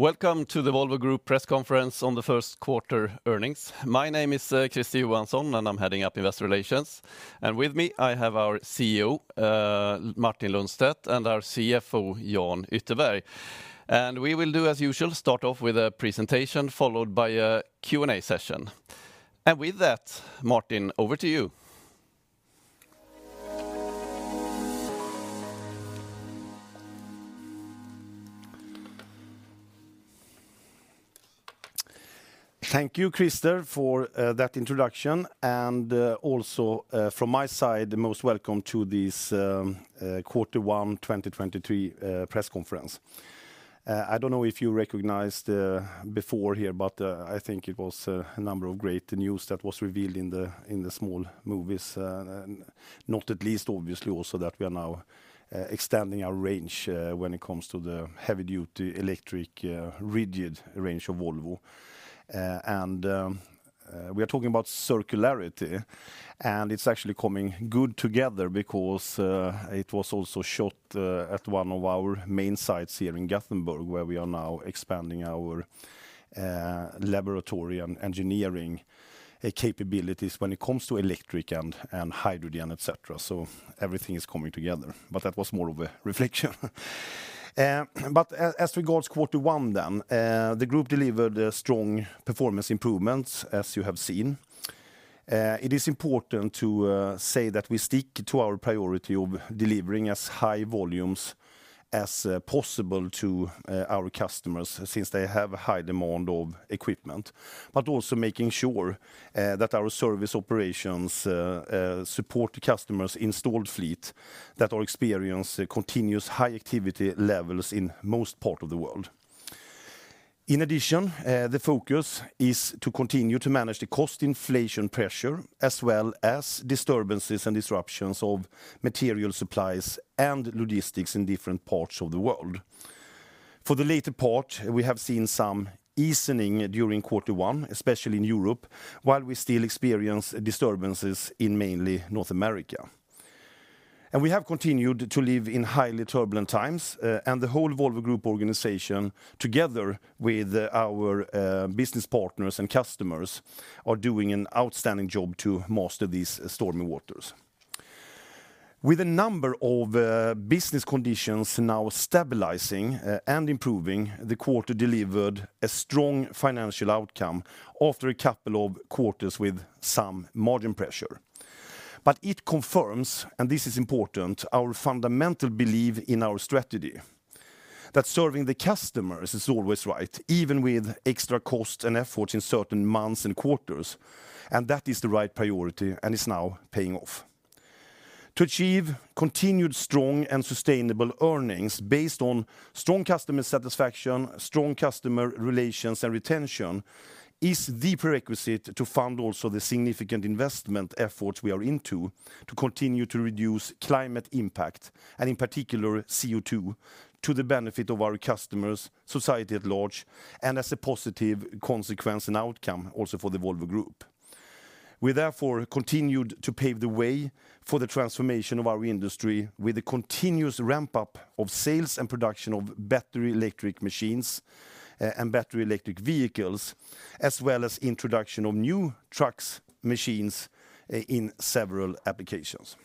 Welcome to the Volvo Group press conference on the first quarter earnings. My name is Christer Johansson, and I'm heading up Investor Relations. With me, I have our CEO, Martin Lundstedt, and our CFO, Jan Ytterberg. We will do as usual, start off with a presentation followed by a Q&A session. With that, Martin, over to you. Thank you, Christer, for that introduction. Also, from my side, the most welcome to this Q1 2023 press conference. I don't know if you recognized before here, but I think it was a number of great news that was revealed in the, in the small movies. Not at least obviously also that we are now extending our range when it comes to the heavy-duty electric rigid range of Volvo. We are talking about circularity, and it's actually coming good together because it was also shot at one of our main sites here in Gothenburg, where we are now expanding our laboratory and engineering capabilities when it comes to electric and hydrogen, etc. Everything is coming together. That was more of a reflection. As regards quarter one, the group delivered a strong performance improvements, as you have seen. It is important to say that we stick to our priority of delivering as high volumes as possible to our customers since they have a high demand of equipment. Also making sure that our service operations support the customers installed fleet that are experience continuous high activity levels in most part of the world. In addition, the focus is to continue to manage the cost inflation pressure, as well as disturbances and disruptions of material supplies and logistics in different parts of the world. For the later part, we have seen some easing during quarter one, especially in Europe, while we still experience disturbances in mainly North America. We have continued to live in highly turbulent times, and the whole Volvo Group organization, together with our business partners and customers, are doing an outstanding job to master these stormy waters. With a number of business conditions now stabilizing and improving, the quarter delivered a strong financial outcome after a couple of quarters with some margin pressure. It confirms, and this is important, our fundamental belief in our strategy, that serving the customers is always right, even with extra cost and effort in certain months and quarters, and that is the right priority and is now paying off. To achieve continued strong and sustainable earnings based on strong customer satisfaction, strong customer relations and retention is the prerequisite to fund also the significant investment efforts we are into to continue to reduce climate impact, and in particular, CO2, to the benefit of our customers, society at large, and as a positive consequence and outcome also for the Volvo Group. We therefore continued to pave the way for the transformation of our industry with a continuous ramp-up of sales and production of battery electric machines and battery electric vehicles, as well as introduction of new trucks, machines, in several applications.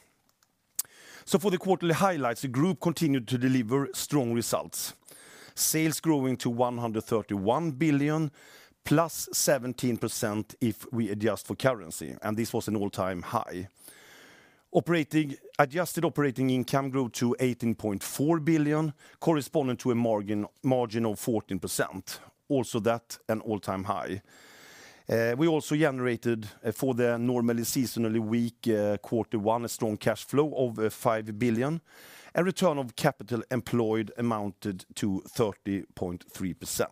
For the quarterly highlights, the group continued to deliver strong results. Sales growing to 131 billion +17% if we adjust for currency, and this was an all-time high. Adjusted operating income grew to 18.4 billion, corresponding to a margin of 14%. Also that, an all-time high. We also generated for the normally seasonally weak quarter one, a strong cash flow over 5 billion. A return on capital employed amounted to 30.3%.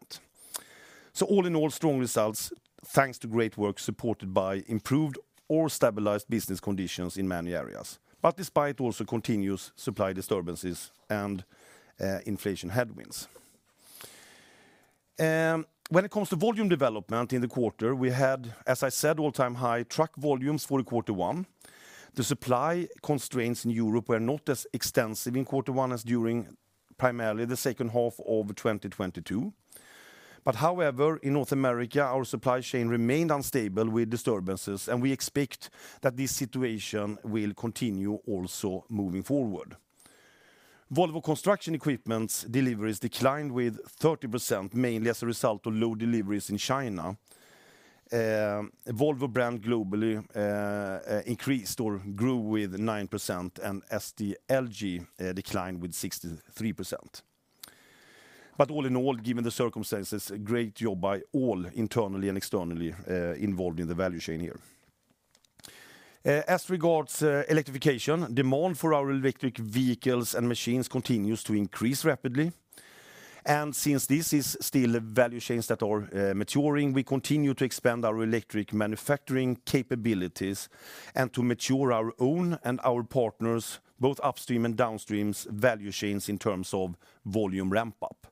All in all, strong results, thanks to great work supported by improved or stabilized business conditions in many areas. Despite also continuous supply disturbances and inflation headwinds. When it comes to volume development in the quarter, we had, as I said, all-time high truck volumes for the quarter one. The supply constraints in Europe were not as extensive in quarter one as during primarily the second half of 2022. However, in North America, our supply chain remained unstable with disturbances, and we expect that this situation will continue also moving forward. Volvo Construction Equipment's deliveries declined with 30%, mainly as a result of low deliveries in China. Volvo brand globally increased or grew with 9%, and SDLG declined with 63%. All in all, given the circumstances, a great job by all internally and externally involved in the value chain here. As regards electrification, demand for our electric vehicles and machines continues to increase rapidly. Since this is still value chains that are maturing, we continue to expand our electric manufacturing capabilities and to mature our own and our partners, both upstream and downstreams value chains in terms of volume ramp up.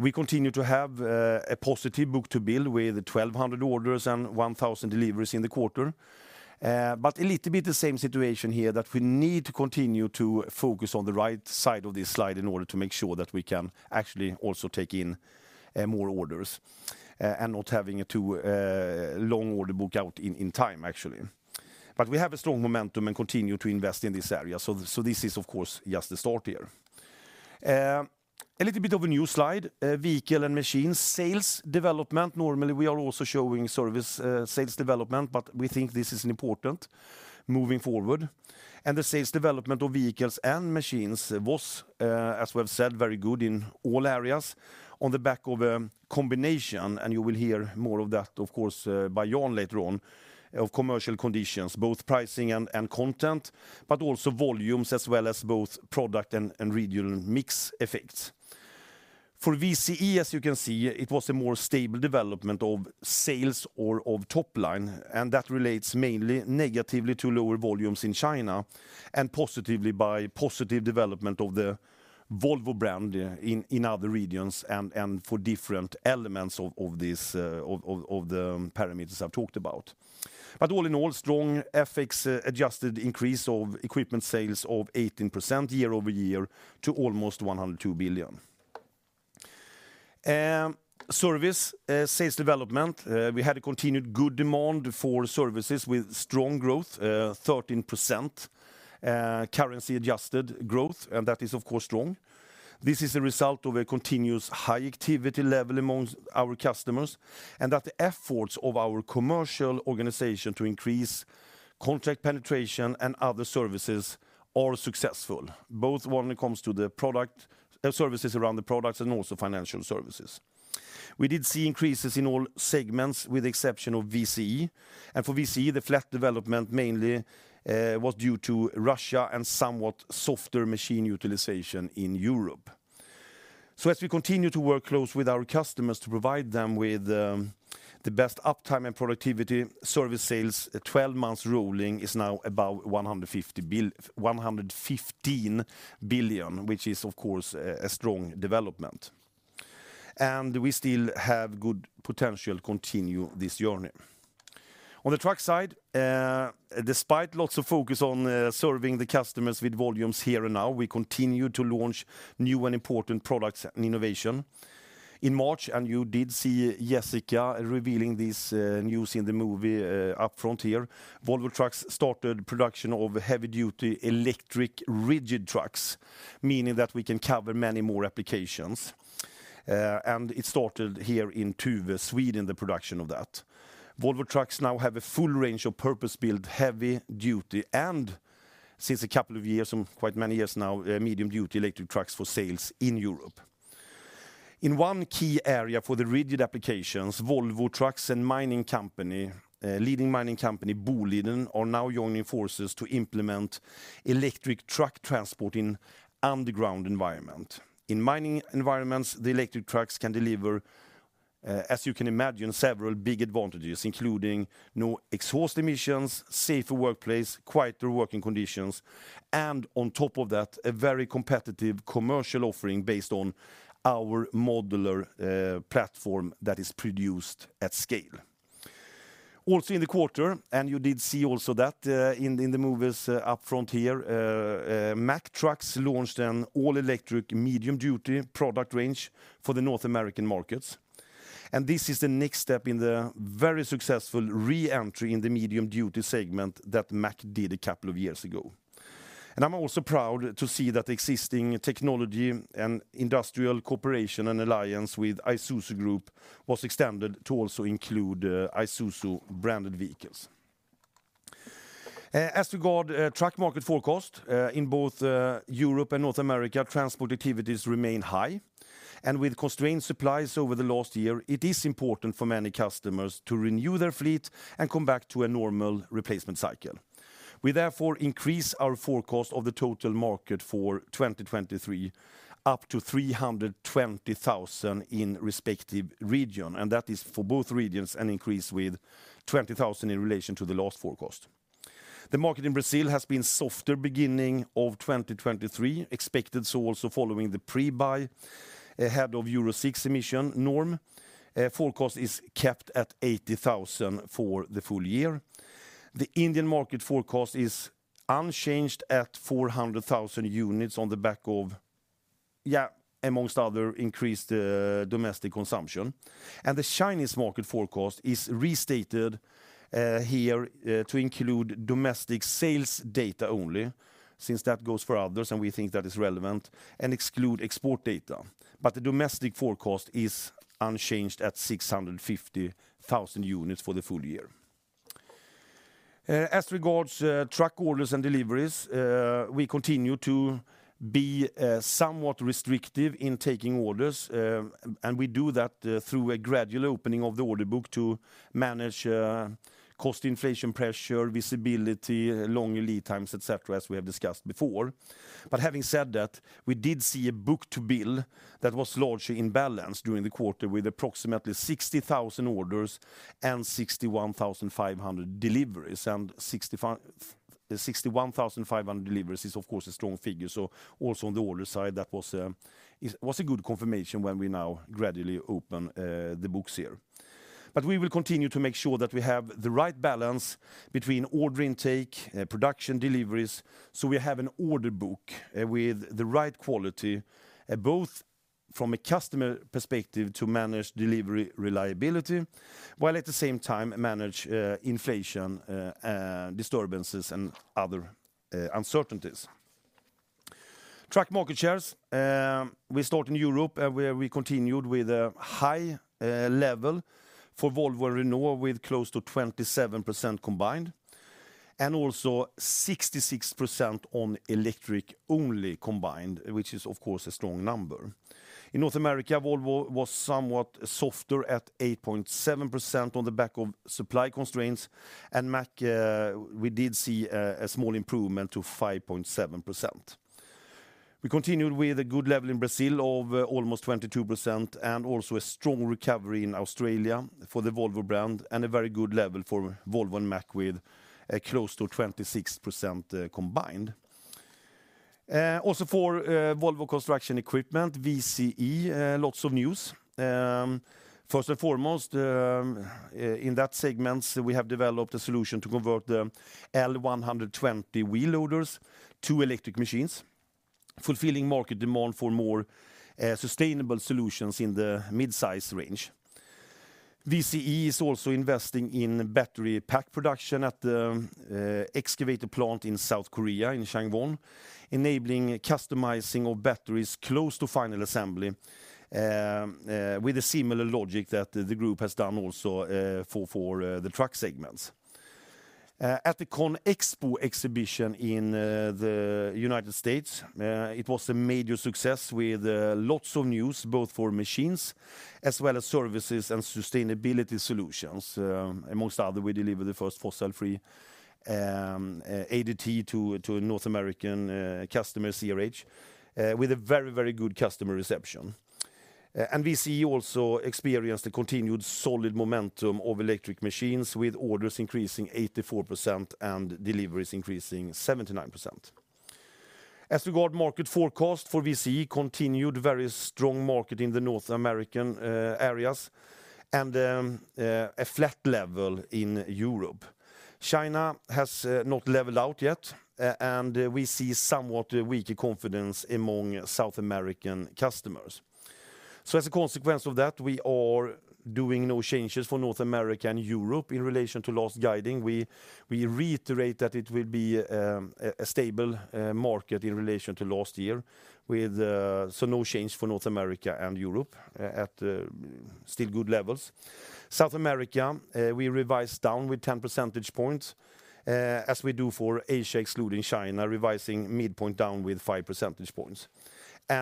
We continue to have a positive book-to-bill with 1,200 orders and 1,000 deliveries in the quarter. A little bit the same situation here that we need to continue to focus on the right side of this slide in order to make sure that we can actually also take in more orders and not having a too long order book out in time, actually. We have a strong momentum and continue to invest in this area. This is of course, just the start here. A little bit of a new slide, vehicle and machine sales development. Normally, we are also showing service sales development, but we think this is important moving forward. The sales development of vehicles and machines was, as we have said, very good in all areas on the back of a combination, and you will hear more of that, of course, by Jan later on, of commercial conditions, both pricing and content, but also volumes as well as both product and regional mix effects. For VCE, as you can see, it was a more stable development of sales or of top line. That relates mainly negatively to lower volumes in China and positively by positive development of the Volvo brand in other regions and for different elements of this of the parameters I've talked about. All in all, strong FX-adjusted increase of equipment sales of 18% year-over-year to almost 102 billion. Service sales development, we had a continued good demand for services with strong growth, 13% currency-adjusted growth, and that is of course strong. This is a result of a continuous high activity level amongst our customers, and that the efforts of our commercial organization to increase contract penetration and other services are successful, both when it comes to the product, services around the products and also financial services. We did see increases in all segments with the exception of VCE. For VCE, the flat development mainly was due to Russia and somewhat softer machine utilization in Europe. As we continue to work close with our customers to provide them with the best uptime and productivity, service sales at 12 months rolling is now about 115 billion, which is of course a strong development. We still have good potential continue this journey. On the truck side, despite lots of focus on serving the customers with volumes here and now, we continue to launch new and important products and innovation. In March, you did see Jessica revealing this news in the movie up front here, Volvo Trucks started production of heavy-duty electric rigid trucks, meaning that we can cover many more applications. It started here in Tuve, Sweden, the production of that. Volvo Trucks now have a full range of purpose-built heavy-duty and, since 2 years, or many years now, medium-duty electric trucks for sales in Europe. In 1 key area for the rigid applications, Volvo Trucks and mining company, leading mining company Boliden are now joining forces to implement electric truck transport in underground environment. In mining environments, the electric trucks can deliver, as you can imagine, several big advantages, including no exhaust emissions, safer workplace, quieter working conditions, and on top of that, a very competitive commercial offering based on our modular platform that is produced at scale. Also in the quarter, you did see also that in the movies up front here, Mack Trucks launched an all-electric medium-duty product range for the North American markets. This is the next step in the very successful re-entry in the medium-duty segment that Mack did a couple of years ago. I'm also proud to see that existing technology and industrial cooperation and alliance with Isuzu Group was extended to also include Isuzu-branded vehicles. As regard truck market forecast in both Europe and North America, transport activities remain high. With constrained supplies over the last year, it is important for many customers to renew their fleet and come back to a normal replacement cycle. We therefore increase our forecast of the total market for 2023 up to 320,000 in respective region, and that is for both regions an increase with 20,000 in relation to the last forecast. The market in Brazil has been softer beginning of 2023, expected so also following the pre-buy ahead of Euro 6 emission norm. Forecast is kept at 80,000 for the full year. The Indian market forecast is unchanged at 400,000 units on the back of amongst other increased domestic consumption. The Chinese market forecast is restated here to include domestic sales data only, since that goes for others, and we think that is relevant, and exclude export data. The domestic forecast is unchanged at 650,000 units for the full year. As regards truck orders and deliveries, we continue to be somewhat restrictive in taking orders, we do that through a gradual opening of the order book to manage cost inflation pressure, visibility, long lead times, et cetera, as we have discussed before. Having said that, we did see a book-to-bill that was largely in balance during the quarter with approximately 60,000 orders and 61,500 deliveries. The 61,500 deliveries is of course a strong figure. Also on the order side, that was a good confirmation when we now gradually open the books here. We will continue to make sure that we have the right balance between order intake, production deliveries, so we have an order book with the right quality, both from a customer perspective to manage delivery reliability, while at the same time manage inflation, disturbances and other uncertainties. Truck market shares, we start in Europe, where we continued with a high level for Volvo and Renault with close to 27% combined, and also 66% on electric-only combined, which is of course a strong number. In North America, Volvo was somewhat softer at 8.7% on the back of supply constraints. Mack, we did see a small improvement to 5.7%. We continued with a good level in Brazil of almost 22% and also a strong recovery in Australia for the Volvo brand and a very good level for Volvo and Mack with close to 26% combined. Also for Volvo Construction Equipment, VCE, lots of news. First and foremost, in that segment, we have developed a solution to convert the L120 wheel loaders to electric machines, fulfilling market demand for more sustainable solutions in the mid-size range. VCE is also investing in battery pack production at the excavator plant in South Korea, in Changwon, enabling customizing of batteries close to final assembly with a similar logic that the Group has done also for the Truck segments. At the CONEXPO exhibition in the United States, it was a major success with lots of news both for machines as well as services and sustainability solutions. Amongst other, we delivered the first fossil-free ADT to a North American customer, CRH, with a very, very good customer reception. VCE also experienced a continued solid momentum of electric machines with orders increasing 84% and deliveries increasing 79%. As regard market forecast for VCE, continued very strong market in the North American areas and a flat level in Europe. China has not leveled out yet, and we see somewhat weaker confidence among South American customers. As a consequence of that, we are doing no changes for North America and Europe in relation to last guiding. We reiterate that it will be a stable market in relation to last year with no change for North America and Europe at still good levels. South America, we revised down with 10 percentage points as we do for Asia, excluding China, revising midpoint down with 5 percentage points.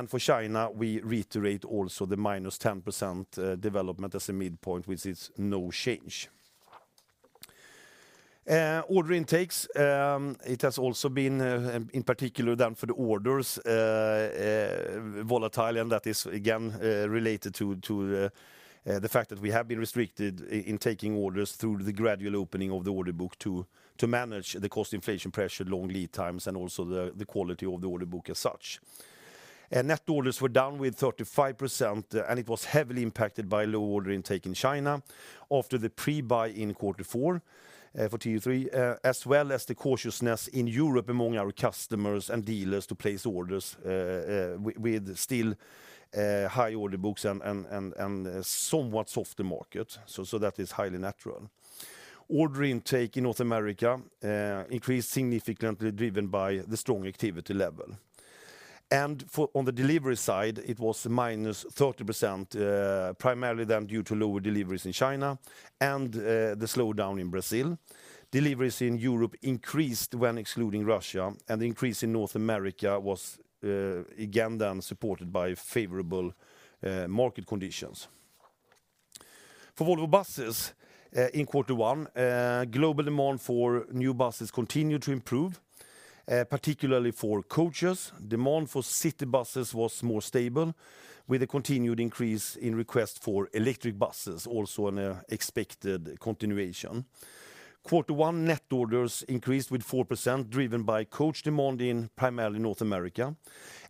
For China, we reiterate also the minus 10% development as a midpoint, which is no change. Order intakes, it has also been in particular then for the orders volatile, and that is again related to the fact that we have been restricted in taking orders through the gradual opening of the order book to manage the cost inflation pressure, long lead times, and also the quality of the order book as such. Net orders were down with 35%, and it was heavily impacted by low order intake in China after the pre-buy in Q4 for T3, as well as the cautiousness in Europe among our customers and dealers to place orders with still high order books and somewhat softer market. So that is highly natural. Order intake in North America increased significantly, driven by the strong activity level. On the delivery side, it was -30%, primarily then due to lower deliveries in China and the slowdown in Brazil. Deliveries in Europe increased when excluding Russia, the increase in North America was again then supported by favorable market conditions. For Volvo Buses, in Q1, global demand for new buses continued to improve, particularly for coaches. Demand for city buses was more stable, with a continued increase in request for electric buses, also an expected continuation. Quarter 1 net orders increased with 4%, driven by coach demand in primarily North America,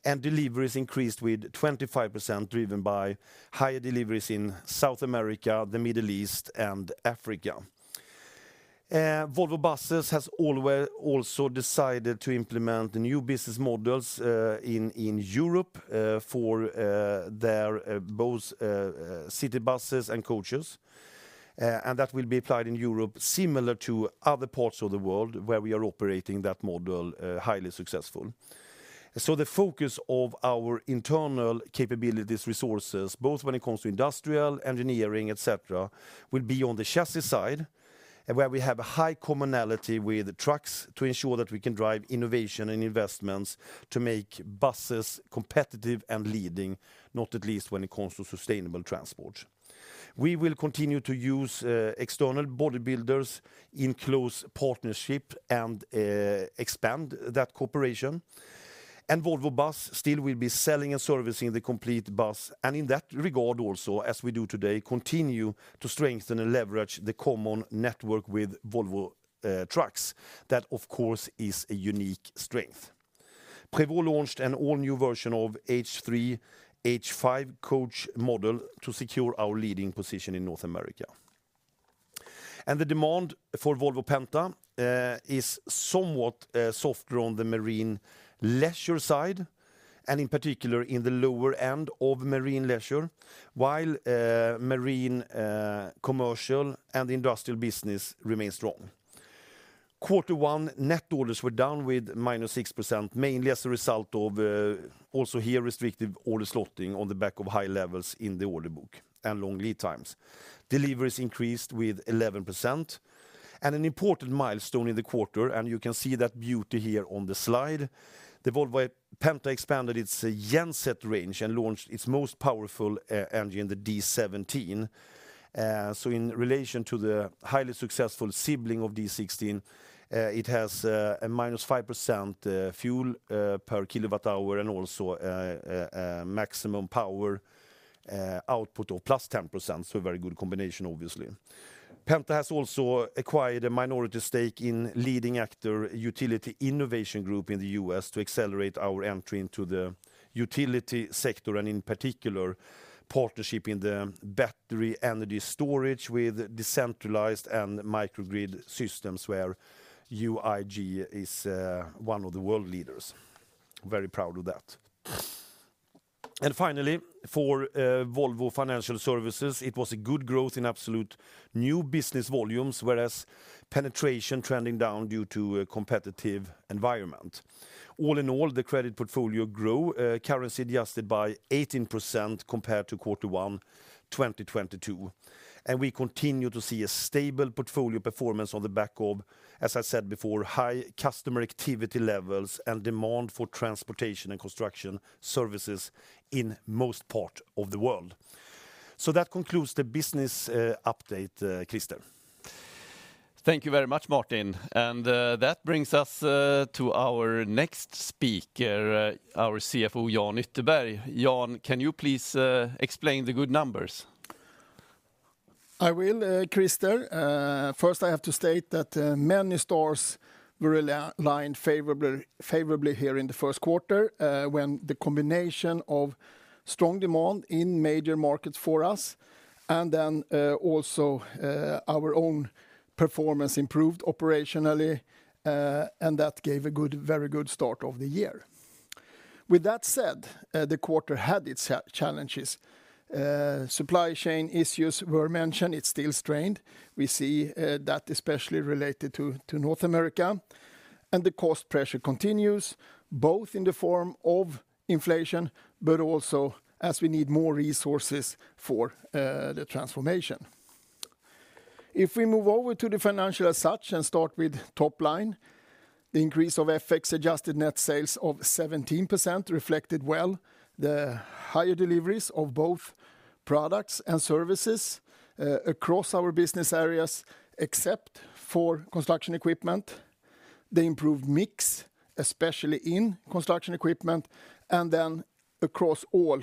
and deliveries increased with 25%, driven by higher deliveries in South America, the Middle East, and Africa. Volvo Buses has also decided to implement the new business models in Europe for their both city buses and coaches. That will be applied in Europe similar to other parts of the world where we are operating that model highly successful. The focus of our internal capabilities, resources, both when it comes to industrial, engineering, et cetera, will be on the chassis side, where we have a high commonality with trucks to ensure that we can drive innovation and investments to make buses competitive and leading, not at least when it comes to sustainable transport. We will continue to use external bodybuilders in close partnership and expand that cooperation. Volvo Bus still will be selling and servicing the complete bus. In that regard also, as we do today, continue to strengthen and leverage the common network with Volvo Trucks. That, of course, is a unique strength. Prevost launched an all-new version of H3/H5 coach model to secure our leading position in North America. The demand for Volvo Penta is somewhat softer on the marine leisure side, and in particular in the lower end of marine leisure, while marine commercial and industrial business remains strong. Quarter one net orders were down with -6%, mainly as a result of also here restrictive order slotting on the back of high levels in the order book and long lead times. Deliveries increased with 11%. An important milestone in the quarter, and you can see that beauty here on the slide, the Volvo Penta expanded its genset range and launched its most powerful e-engine, the D17. In relation to the highly successful sibling of D16, it has a -5% fuel per kilowatt hour and also maximum power output of +10%, so a very good combination obviously. Penta has also acquired a minority stake in leading actor Utility Innovation Group in the U.S. to accelerate our entry into the utility sector, and in particular, partnership in the battery energy storage with decentralized and microgrid systems where UIG is one of the world leaders. Very proud of that. Finally, for Volvo Financial Services, it was a good growth in absolute new business volumes, whereas penetration trending down due to a competitive environment. All in all, the credit portfolio grew, currency adjusted by 18% compared to Q1 2022. We continue to see a stable portfolio performance on the back of, as I said before, high customer activity levels and demand for transportation and construction services in most part of the world. That concludes the business update, Christer. Thank you very much, Martin. That brings us to our next speaker, our CFO, Jan Ytterberg. Jan, can you please explain the good numbers? I will, Christer. First I have to state that many stores were aligned favorably here in the first quarter, when the combination of strong demand in major markets for us and then also our own performance improved operationally, and that gave a good, very good start of the year. With that said, the quarter had its challenges. Supply chain issues were mentioned. It is still strained. We see that especially related to North America. The cost pressure continues, both in the form of inflation, but also as we need more resources for the transformation. If we move over to the financial as such and start with top line, the increase of FX-adjusted net sales of 17% reflected well the higher deliveries of both products and services across our business areas, except for construction equipment, the improved mix, especially in construction equipment, and then across all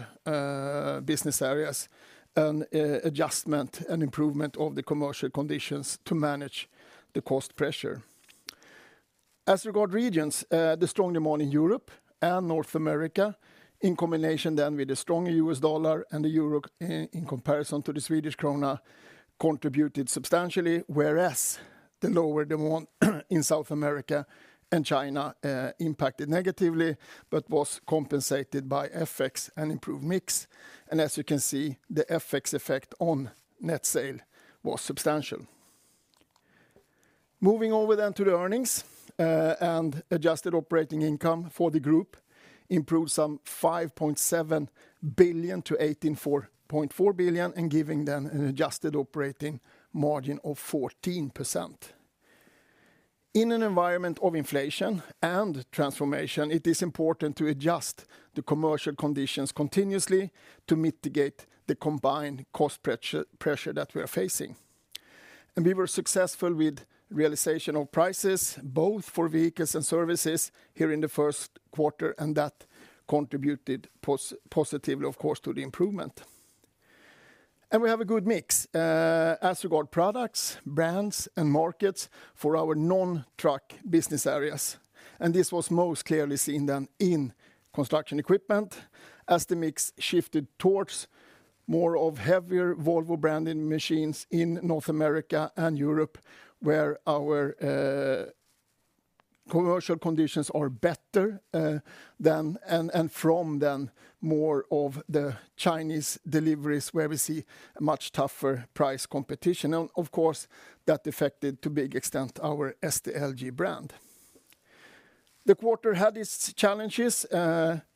business areas, an adjustment and improvement of the commercial conditions to manage the cost pressure. As regard regions, the strong demand in Europe and North America in combination then with the stronger U.S. dollar and the euro in comparison to the Swedish krona contributed substantially, whereas the lower demand in South America and China impacted negatively, but was compensated by FX and improved mix. As you can see, the FX effect on net sale was substantial. Moving over to the earnings, adjusted operating income for the group improved some 5.7 billion to 18.4 billion, giving them an adjusted operating margin of 14%. In an environment of inflation and transformation, it is important to adjust the commercial conditions continuously to mitigate the combined cost pressure that we are facing. We were successful with realization of prices both for vehicles and services here in the first quarter, and that contributed positively, of course, to the improvement. We have a good mix as regard products, brands, and markets for our non-truck business areas. This was most clearly seen then in construction equipment as the mix shifted towards more of heavier Volvo-branded machines in North America and Europe, where our commercial conditions are better than more of the Chinese deliveries, where we see a much tougher price competition. Of course, that affected to big extent our SDLG brand. The quarter had its challenges.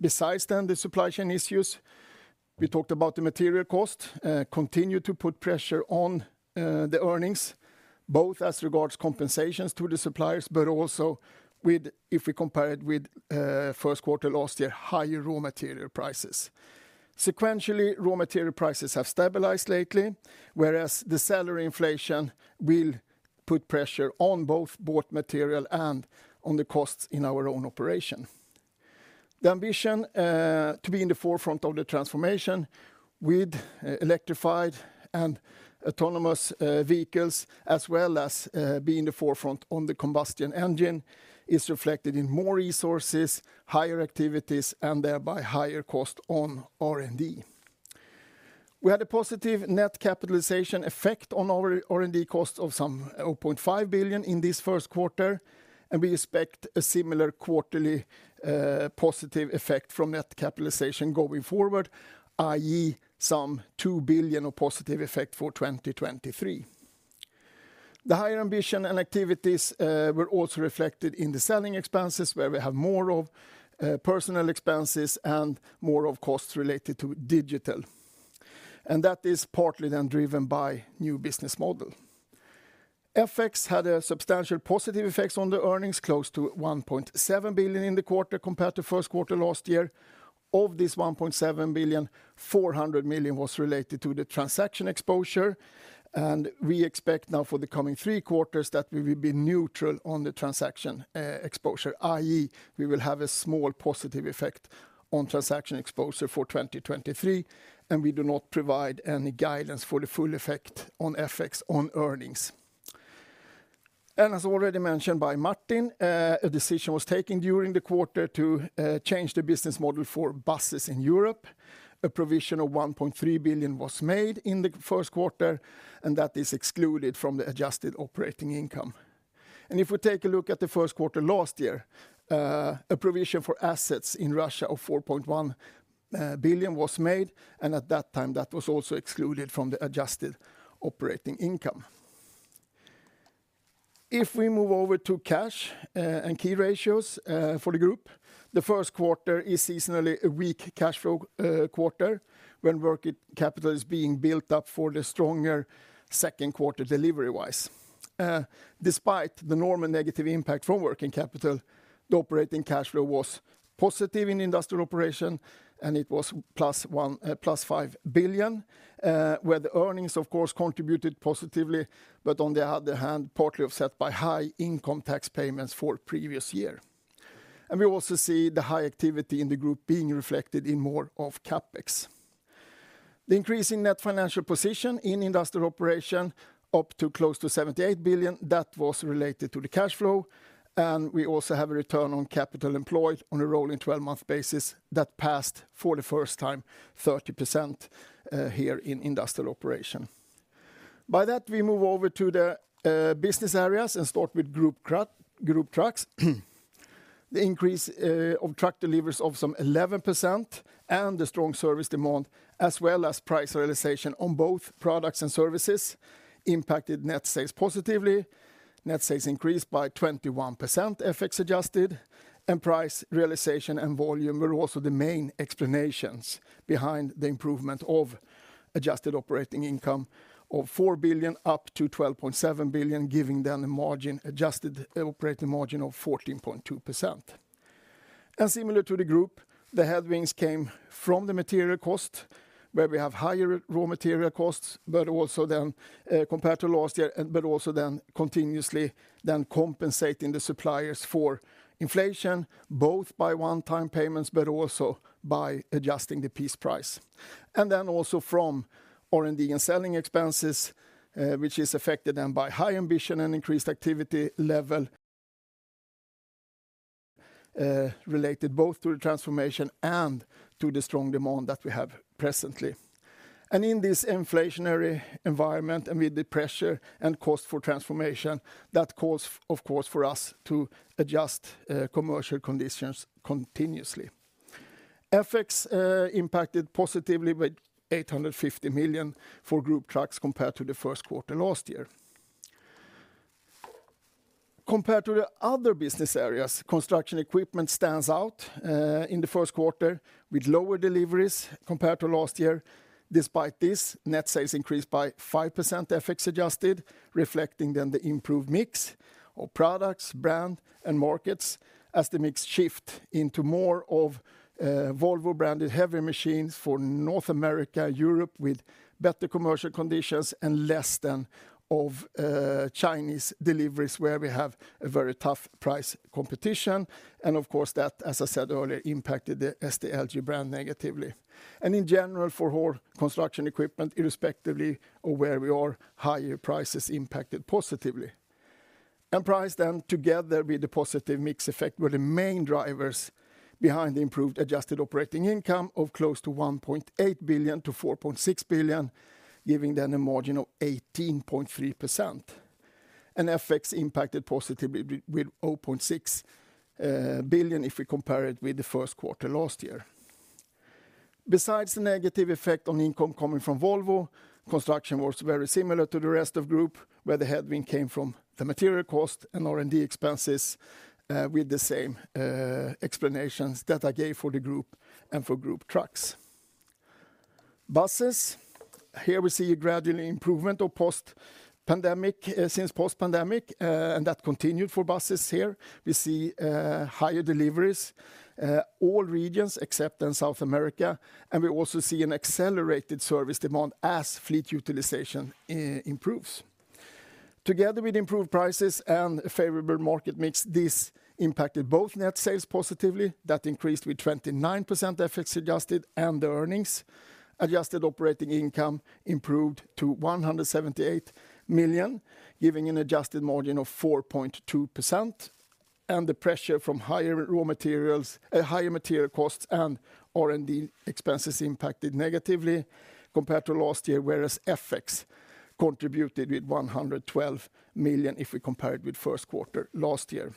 Besides then the supply chain issues, we talked about the material cost continued to put pressure on the earnings, both as regards compensations to the suppliers, but also with, if we compare it with first quarter last year, higher raw material prices. Sequentially, raw material prices have stabilized lately, whereas the salary inflation will put pressure on both bought material and on the costs in our own operation. The ambition to be in the forefront of the transformation with electrified and autonomous vehicles as well as be in the forefront on the combustion engine is reflected in more resources, higher activities, and thereby higher cost on R&D. We had a positive net capitalization effect on our R&D cost of some 0.5 billion in this first quarter, and we expect a similar quarterly positive effect from net capitalization going forward, i.e., some 2 billion of positive effect for 2023. The higher ambition and activities were also reflected in the selling expenses, where we have more of personal expenses and more of costs related to digital. That is partly then driven by new business model. FX had a substantial positive effects on the earnings, close to 1.7 billion in the quarter compared to first quarter last year. Of this 1.7 billion, 400 million was related to the transaction exposure. We expect now for the coming three quarters that we will be neutral on the transaction exposure, i.e., we will have a small positive effect on transaction exposure for 2023. We do not provide any guidance for the full effect on FX on earnings. As already mentioned by Martin, a decision was taken during the quarter to change the business model for buses in Europe. A provision of 1.3 billion was made in the first quarter, and that is excluded from the adjusted operating income. If we take a look at the first quarter last year, a provision for assets in Russia of 4.1 billion was made, and at that time, that was also excluded from the adjusted operating income. If we move over to cash, and key ratios, for the group, the first quarter is seasonally a weak cash flow, quarter when working capital is being built up for the stronger second quarter delivery-wise. Despite the normal negative impact from working capital, the operating cash flow was positive in industrial operation, and it was plus 5 billion, where the earnings of course contributed positively, but on the other hand, partly offset by high income tax payments for previous year. We also see the high activity in the group being reflected in more of CapEx. The increase in net financial position in industrial operation up to close to 78 billion, that was related to the cash flow. We also have a return on capital employed on a rolling 12-month basis that passed for the first time 30%, here in industrial operation. By that, we move over to the business areas and start with Group Trucks. The increase of truck deliveries of some 11% and the strong service demand as well as price realization on both products and services impacted net sales positively. Net sales increased by 21% FX adjusted. Price realization and volume were also the main explanations behind the improvement of adjusted operating income of 4 billion up to 12.7 billion, giving them a margin, adjusted operating margin of 14.2%. Similar to the group, the headwinds came from the material cost, where we have higher raw material costs, but also compared to last year, but also continuously compensating the suppliers for inflation, both by one-time payments, but also by adjusting the piece price. Also from R&D and selling expenses, which is affected by high ambition and increased activity level, related both to the transformation and to the strong demand that we have presently. In this inflationary environment and with the pressure and cost for transformation, that calls of course for us to adjust commercial conditions continuously. FX impacted positively with 850 million for Group Trucks compared to the first quarter last year. Compared to the other business areas, construction equipment stands out in the first quarter with lower deliveries compared to last year. Despite this, net sales increased by 5% FX adjusted, reflecting then the improved mix of products, brand, and markets as the mix shift into more of Volvo-branded heavy machines for North America, Europe with better commercial conditions and less then of Chinese deliveries, where we have a very tough price competition. Of course, that, as I said earlier, impacted the SDLG brand negatively. In general, for whole construction equipment, irrespectively of where we are, higher prices impacted positively. Price then together with the positive mix effect were the main drivers behind the improved adjusted operating income of close to 1.8 billion-4.6 billion, giving then a margin of 18.3%. FX impacted positively with 0.6 billion if we compare it with the first quarter last year. Besides the negative effect on income coming from Volvo, construction was very similar to the rest of Group, where the headwind came from the material cost and R&D expenses, with the same explanations that I gave for the Group and for Group Trucks. Buses, here we see a gradual improvement since post-pandemic, and that continued for Buses here. We see higher deliveries all regions except in South America, and we also see an accelerated service demand as fleet utilization improves. Together with improved prices and a favorable market mix, this impacted both net sales positively, that increased with 29% FX adjusted, and the earnings. Adjusted operating income improved to 178 million, giving an adjusted margin of 4.2%. The pressure from higher raw materials, higher material costs and R&D expenses impacted negatively compared to last year, whereas FX contributed with 112 million if we compare it with first quarter last year.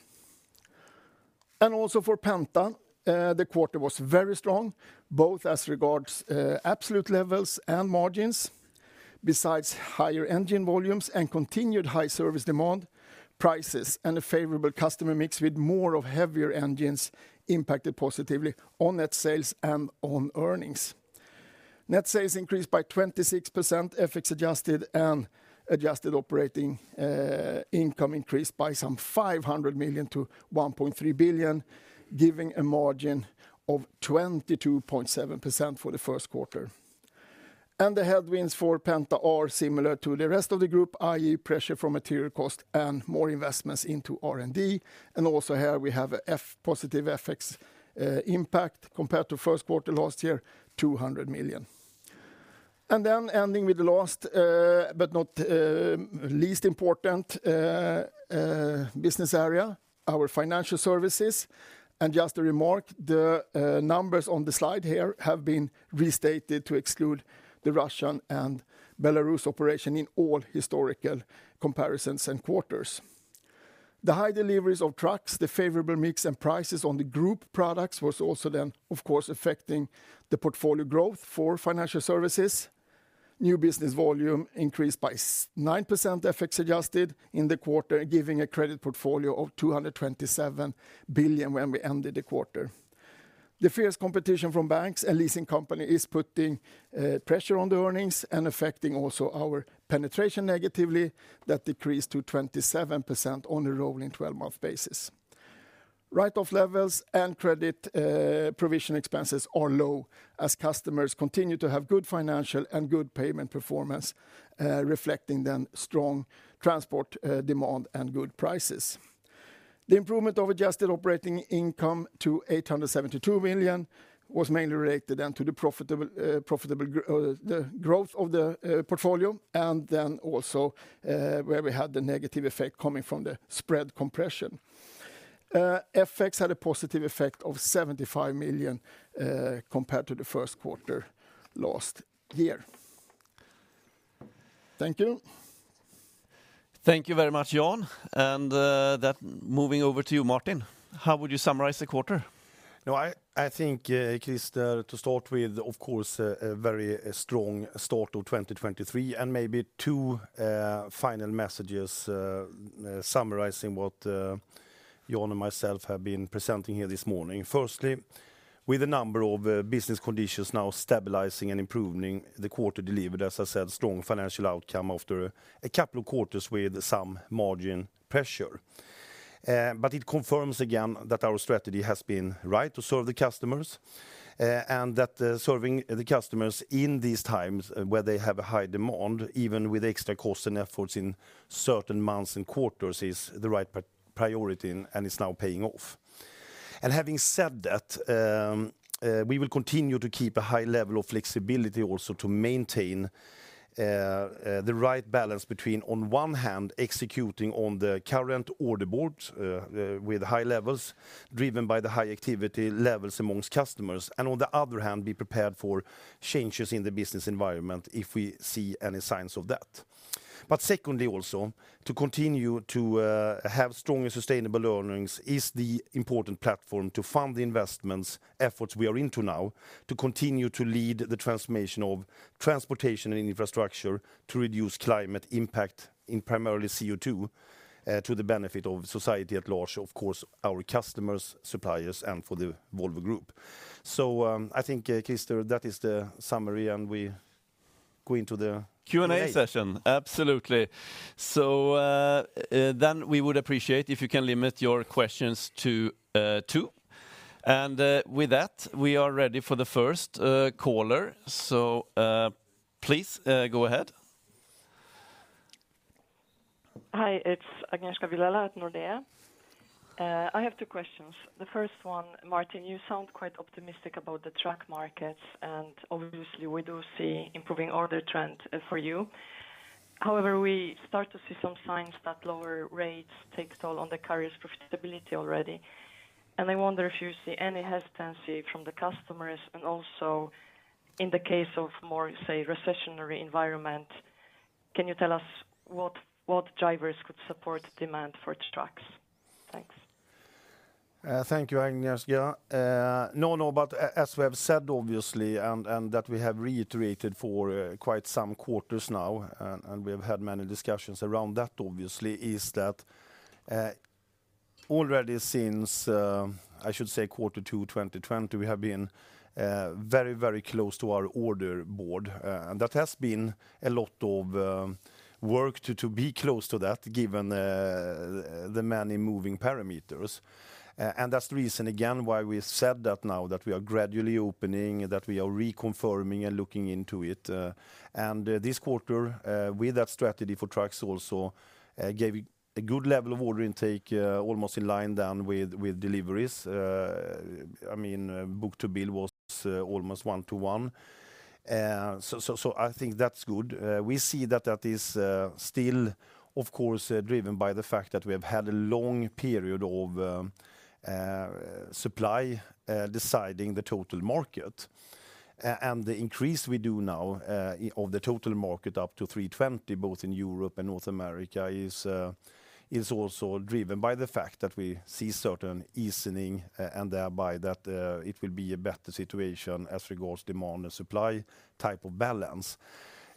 Also for Penta, the quarter was very strong, both as regards absolute levels and margins. Besides higher engine volumes and continued high service demand, prices, and a favorable customer mix with more of heavier engines impacted positively on net sales and on earnings. Net sales increased by 26%, FX adjusted, and adjusted operating income increased by some 500 million-1.3 billion, giving a margin of 22.7% for the first quarter. The headwinds for Penta are similar to the rest of the group, i.e., pressure from material cost and more investments into R&D. Also here we have a positive FX impact compared to first quarter last year, 200 million. Ending with the last, but not least important, business area, our financial services. Just a remark, the numbers on the slide here have been restated to exclude the Russian and Belarus operation in all historical comparisons and quarters. The high deliveries of trucks, the favorable mix and prices on the group products was also then, of course, affecting the portfolio growth for financial services. New business volume increased by 9% FX adjusted in the quarter, giving a credit portfolio of 227 billion when we ended the quarter. The fierce competition from banks and leasing company is putting pressure on the earnings and affecting also our penetration negatively. That decreased to 27% on a rolling 12-month basis. Write-off levels and credit provision expenses are low as customers continue to have good financial and good payment performance, reflecting then strong transport demand and good prices. The improvement of adjusted operating income to 872 million was mainly related then to the profitable, the growth of the portfolio, and then also where we had the negative effect coming from the spread compression. FX had a positive effect of 75 million compared to the first quarter last year. Thank you. Thank you very much, Jan. Moving over to you, Martin. How would you summarize the quarter? I think Christer, to start with, of course, a very strong start to 2023, maybe two final messages summarizing what Jan and myself have been presenting here this morning. Firstly, with a number of business conditions now stabilizing and improving, the quarter delivered, as I said, strong financial outcome after a couple of quarters with some margin pressure. It confirms again that our strategy has been right to serve the customers, and that serving the customers in these times where they have a high demand, even with extra costs and efforts in certain months and quarters, is the right priority and is now paying off. Having said that, we will continue to keep a high level of flexibility also to maintain the right balance between, on one hand, executing on the current order board with high levels driven by the high activity levels amongst customers, and on the other hand, be prepared for changes in the business environment if we see any signs of that. Secondly, also, to continue to have strong and sustainable earnings is the important platform to fund the investments efforts we are into now to continue to lead the transformation of transportation and infrastructure to reduce climate impact in primarily CO2, to the benefit of society at large, of course, our customers, suppliers, and for the Volvo Group. I think, Christer, that is the summary, and we go into the Q&A. Q&A session. Absolutely. Then we would appreciate if you can limit your questions to two. With that, we are ready for the first caller. Please go ahead. Hi, it's Agnieszka Vilela at Nordea. I have two questions. The first one, Martin, you sound quite optimistic about the truck markets, obviously we do see improving order trend for you. However, we start to see some signs that lower rates take toll on the carrier's profitability already. I wonder if you see any hesitancy from the customers, also in the case of more, say, recessionary environment, can you tell us what drivers could support demand for trucks? Thanks. Thank you, Agnieszka. As we have said, obviously, and that we have reiterated for quite some quarters now, and we have had many discussions around that, obviously, is that already since I should say Q2 2020, we have been very, very close to our order board. That has been a lot of work to be close to that, given the many moving parameters. And that's the reason, again, why we said that now, that we are gradually opening, that we are reconfirming and looking into it. This quarter, with that strategy for trucks also, gave a good level of order intake, almost in line then with deliveries. I mean, book-to-bill was almost 1-to-1. So I think that's good. We see that that is still, of course, driven by the fact that we have had a long period of supply deciding the total market. The increase we do now of the total market up to 320, both in Europe and North America, is also driven by the fact that we see certain easing, and thereby that it will be a better situation as regards demand and supply type of balance.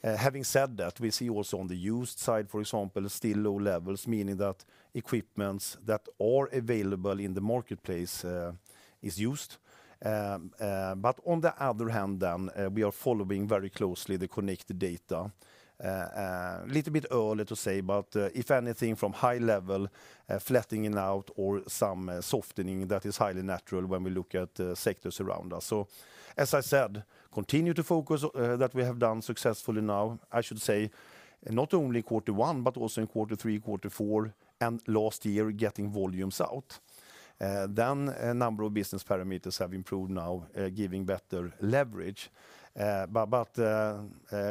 Having said that, we see also on the used side, for example, still low levels, meaning that equipment that are available in the marketplace is used. But on the other hand, we are following very closely the connected data, little bit early to say, but if anything from high level, flatting it out or some softening, that is highly natural when we look at sectors around us. As I said, continue to focus that we have done successfully now, I should say, not only Q1, but also in Q3, Q4, and last year getting volumes out. A number of business parameters have improved now, giving better leverage.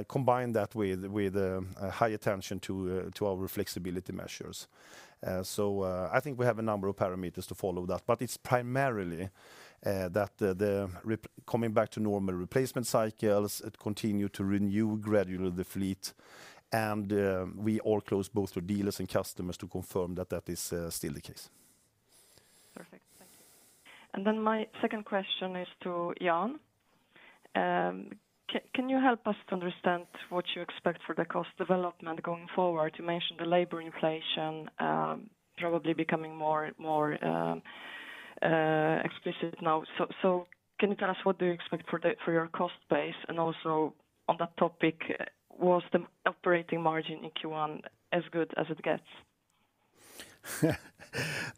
Combine that with a high attention to our flexibility measures. I think we have a number of parameters to follow that, but it's primarily that the coming back to normal replacement cycles, it continue to renew gradually the fleet, and we all close both to dealers and customers to confirm that that is still the case. Perfect. Thank you. My second question is to Jan. Can you help us to understand what you expect for the cost development going forward? You mentioned the labor inflation, probably becoming more explicit now. Can you tell us what do you expect for your cost base? Also on that topic, was the operating margin in Q1 as good as it gets?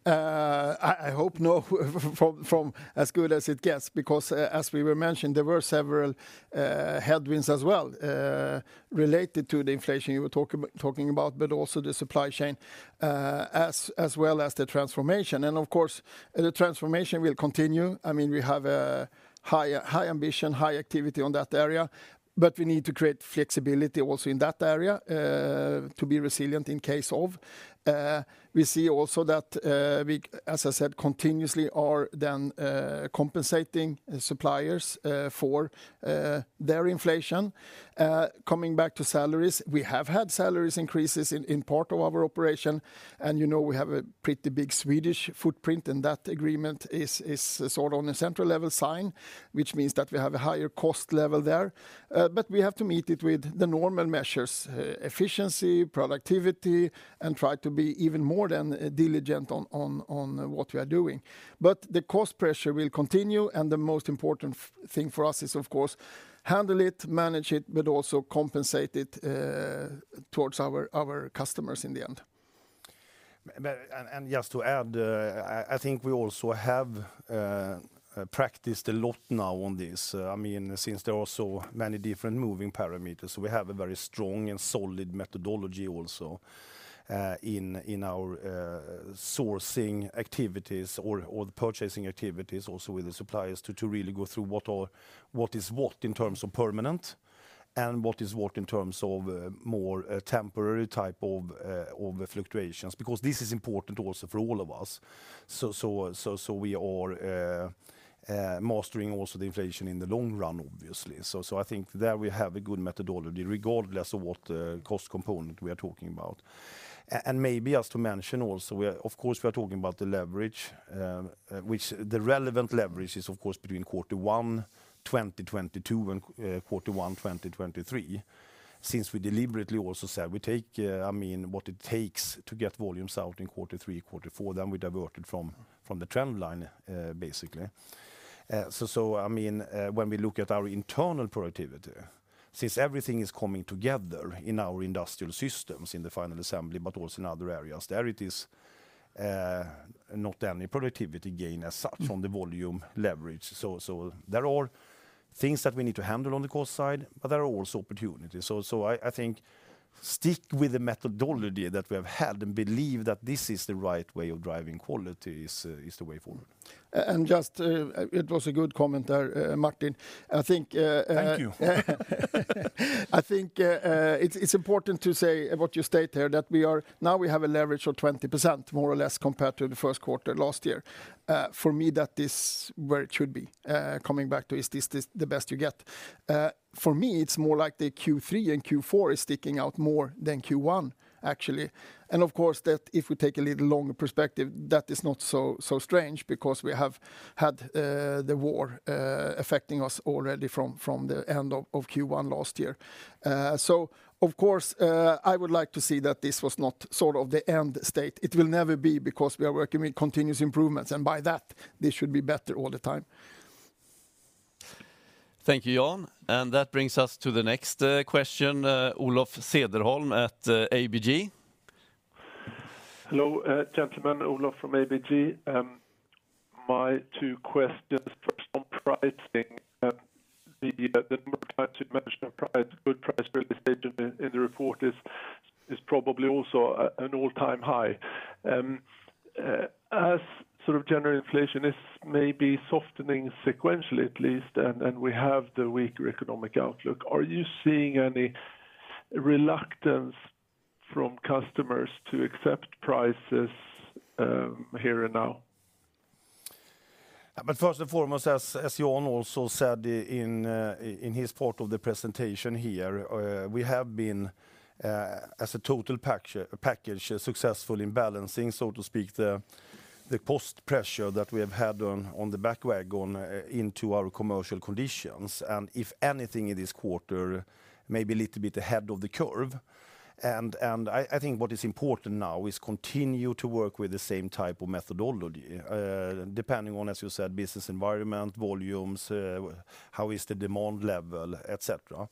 I hope no from as good as it gets, because as we were mentioned, there were several headwinds as well, related to the inflation you were talking about, but also the supply chain, as well as the transformation. Of course, the transformation will continue. I mean, we have a high ambition, high activity on that area, but we need to create flexibility also in that area, to be resilient in case of. We see also that we, as I said, continuously are then compensating suppliers for their inflation. Coming back to salaries, we have had salaries increases in part of our operation, and you know, we have a pretty big Swedish footprint, and that agreement is sort of on a central level sign, which means that we have a higher cost level there. We have to meet it with the normal measures, efficiency, productivity, and try to be even more than diligent on what we are doing. The cost pressure will continue, and the most important thing for us is, of course, handle it, manage it, but also compensate it towards our customers in the end. Just to add, I think we also have practiced a lot now on this. I mean, since there are so many different moving parameters, we have a very strong and solid methodology also, in our sourcing activities or the purchasing activities also with the suppliers to really go through what are, what is what in terms of permanent and what is what in terms of more temporary type of fluctuations, because this is important also for all of us. We are mastering also the inflation in the long run, obviously. I think there we have a good methodology regardless of what cost component we are talking about. Maybe just to mention also, we are, of course, we are talking about the leverage, which the relevant leverage is of course between Q1 2022 and Q1 2023, since we deliberately also said we take, I mean, what it takes to get volumes out in Q3, Q4, then we divert it from the trend line, basically. I mean, when we look at our internal productivity, since everything is coming together in our industrial systems in the final assembly, but also in other areas, there it is not any productivity gain as such from the volume leverage. There are things that we need to handle on the cost side, but there are also opportunities. I think stick with the methodology that we have had and believe that this is the right way of driving quality is the way forward. Just, it was a good comment there, Martin. I think, Thank you. I think, it's important to say what you state here, that we are, now we have a leverage of 20% more or less compared to the first quarter last year. For me, that is where it should be, coming back to is this the best you get. For me, it's more like the Q3 and Q4 is sticking out more than Q1, actually. Of course, that if we take a little longer perspective, that is not so strange because we have had the war affecting us already from the end of Q1 last year. Of course, I would like to see that this was not sort of the end state. It will never be because we are working with continuous improvements, and by that, this should be better all the time. Thank you, Jan. That brings us to the next question, Olof Cederholm at ABG. Hello, gentlemen. Olof from ABG. My two questions, first on pricing, the multiple times you've mentioned price, good price realization in the report is probably also an all-time high. As sort of general inflation is maybe softening sequentially at least, and we have the weaker economic outlook, are you seeing any reluctance from customers to accept prices here and now? First and foremost, as Jan also said in his part of the presentation here, we have been as a total package, successful in balancing, so to speak, the cost pressure that we have had on the back wagon into our commercial conditions. If anything in this quarter may be a little bit ahead of the curve. I think what is important now is continue to work with the same type of methodology, depending on, as you said, business environment, volumes, how is the demand level, et cetera.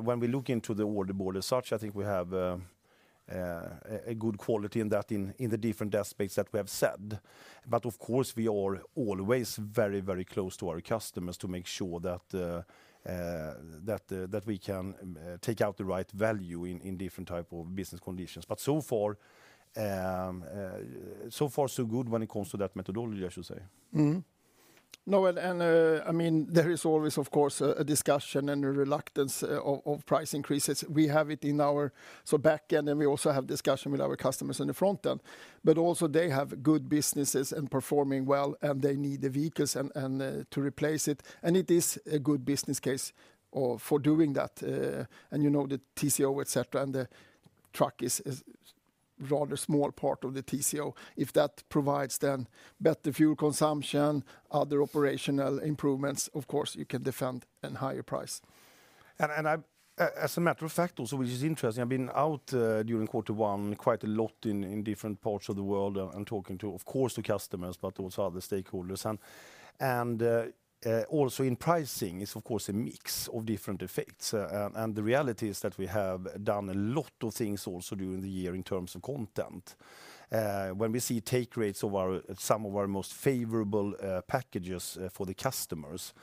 When we look into the order board as such, I think we have a good quality in that, in the different aspects that we have said. Of course, we are always very, very close to our customers to make sure that we can take out the right value in different type of business conditions. So far, so far so good when it comes to that methodology, I should say. I mean, there is always, of course, a discussion and a reluctance of price increases. We have it in our so back end, and we also have discussion with our customers on the front end. Also they have good businesses and performing well, and they need the vehicles and, to replace it. It is a good business case for doing that. You know, the TCO, et cetera, and the truck is rather small part of the TCO. If that provides then better fuel consumption, other operational improvements, of course you can defend an higher price. As a matter of fact also, which is interesting, I've been out during quarter one quite a lot in different parts of the world and talking to, of course, to customers, but also other stakeholders. Also in pricing is of course a mix of different effects. The reality is that we have done a lot of things also during the year in terms of content. When we see take rates of our, some of our most favorable packages, for the customers,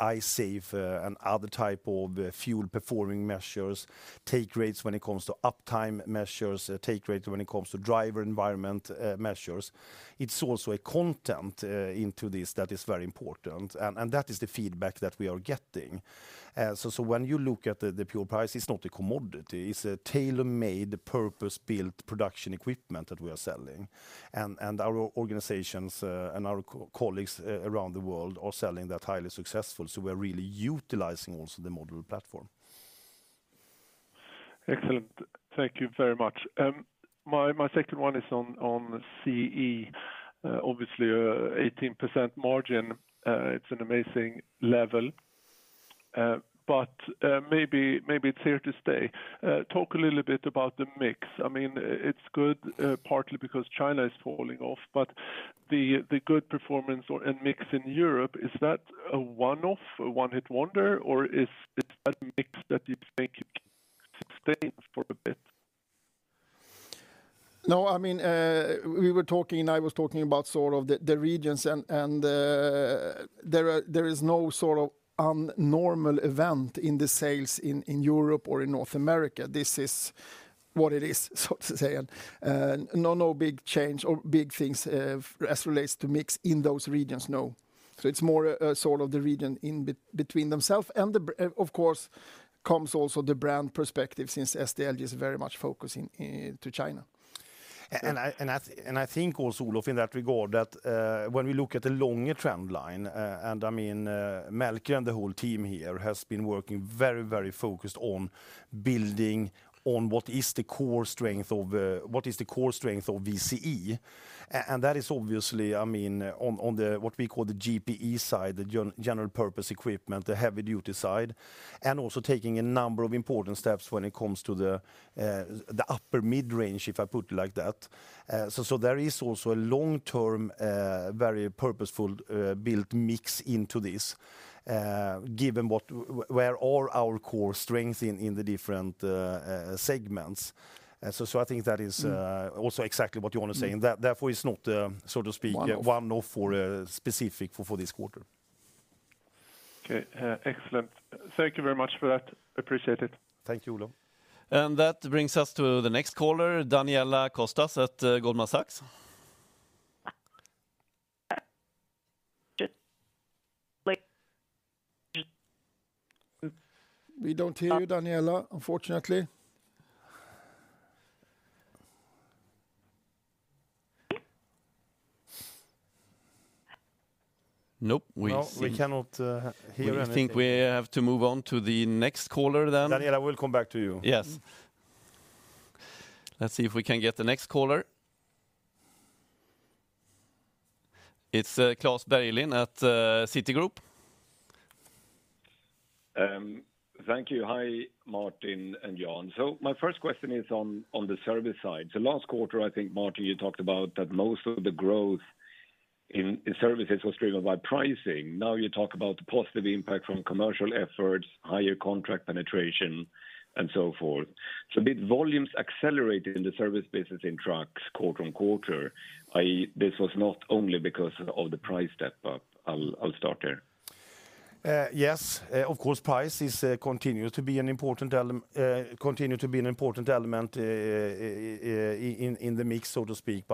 I-Save and other type of fuel performing measures, take rates when it comes to uptime measures, take rates when it comes to driver environment measures. It's also a content into this that is very important. That is the feedback that we are getting. When you look at the pure price, it's not a commodity. It's a tailor-made, purpose-built production equipment that we are selling. Our organizations and our colleagues around the world are selling that highly successful. We're really utilizing also the module platform. Excellent. Thank you very much. My second one is on CE. Obviously, 18% margin, it's an amazing level. Maybe it's here to stay. Talk a little bit about the mix. I mean, it's good, partly because China is falling off, but the good performance or, and mix in Europe, is that a one-off, a one-hit wonder, or is it that mix that you think it can sustain for a bit? No, I mean, I was talking about sort of the regions and there is no sort of un-normal event in the sales in Europe or in North America. This is what it is, so to say. No big change or big things, as relates to mix in those regions, no. It's more, sort of the region between themselves. Of course, comes also the brand perspective since SDLG is very much focusing, to China. I think also, Olof, in that regard that, when we look at the longer trend line, I mean, Melker and the whole team here has been working very focused on building on what is the core strength of VCE. That is obviously, I mean, on the, what we call the GPE side, the general purpose equipment, the heavy duty side, and also taking a number of important steps when it comes to the upper mid-range, if I put it like that. There is also a long-term, very purposeful, built mix into this, given what, where are our core strength in the different segments. I think that is also exactly what you want to say. That therefore is not, so to speak... One-off one-off or, specific for this quarter. Okay. Excellent. Thank you very much for that. Appreciate it. Thank you, Olof. That brings us to the next caller, Daniela Costa at Goldman Sachs. We don't hear you, Daniela, unfortunately. Nope, we see- No, we cannot, hear anything. We think we have to move on to the next caller then. Daniela, we'll come back to you. Yes. Let's see if we can get the next caller. It's Klas Bergelind at Citigroup. Thank you. Hi, Martin and Jan. My first question is on the service side. Last quarter, I think, Martin, you talked about that most of the growth in services was driven by pricing. Now you talk about the positive impact from commercial efforts, higher contract penetration, and so forth. Did volumes accelerated in the service business in trucks quarter-on-quarter, i.e., this was not only because of the price step-up? I'll start there. Yes, of course, price is continues to be an important element, in the mix, so to speak.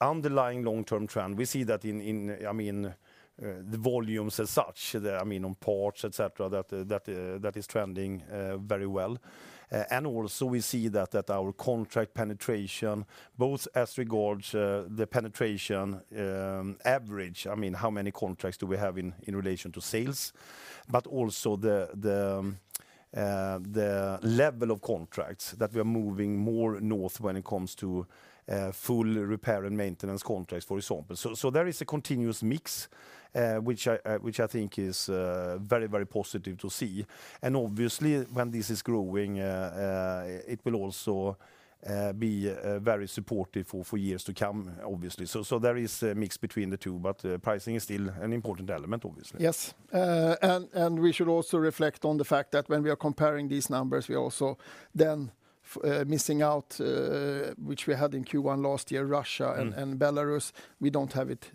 Underlying long-term trend, we see that in, I mean, the volumes as such, the, I mean, on parts, et cetera, that is trending very well. Also we see that our contract penetration, both as regards the penetration, average, I mean, how many contracts do we have in relation to sales? Also the level of contracts that we are moving more north when it comes to full repair and maintenance contracts, for example. There is a continuous mix, which I think is very, very positive to see. Obviously when this is growing, it will also be very supportive for years to come, obviously. There is a mix between the two, but pricing is still an important element, obviously. Yes. And we should also reflect on the fact that when we are comparing these numbers, we also then missing out, which we had in Q1 last year. Mm and Belarus. We don't have it,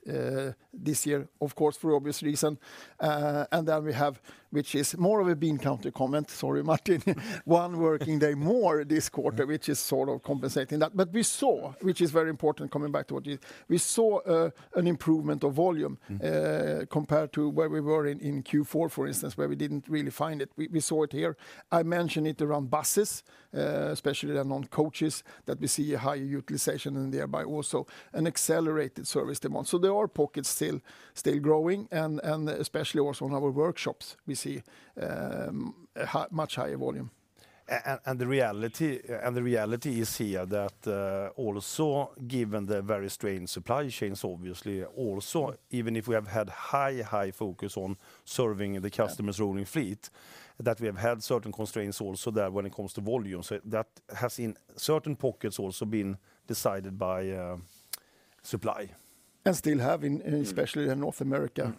this year, of course, for obvious reason. Then we have, which is more of a bean count comment, sorry, Martin, one working day more this quarter. Which is sort of compensating that. We saw, which is very important coming back to what you, we saw, an improvement of volume- Mm -compared to where we were in Q4, for instance, where we didn't really find it. We saw it here. I mentioned it around buses, especially then on coaches that we see a higher utilization and thereby also an accelerated service demand. There are pockets still growing and especially also in our workshops, we see much higher volume. The reality is here that also given the very strained supply chains, obviously, also even if we have had high focus on serving the customer's- Yeah -rolling fleet, that we have had certain constraints also there when it comes to volume. That has in certain pockets also been decided by, supply. Still have in- Mm -especially in North America,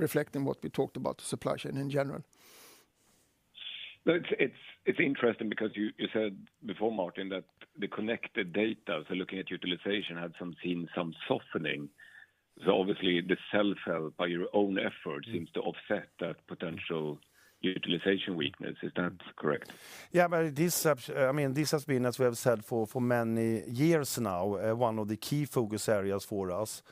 reflecting what we talked about, the supply chain in general. It's interesting because you said before, Martin, that the connected data, so looking at utilization, had seen some softening. Obviously the self-help by your own effort seems to offset that potential utilization weakness. Is that correct? Yeah, but this has, I mean, this has been, as we have said for many years now, one of the key focus areas for us.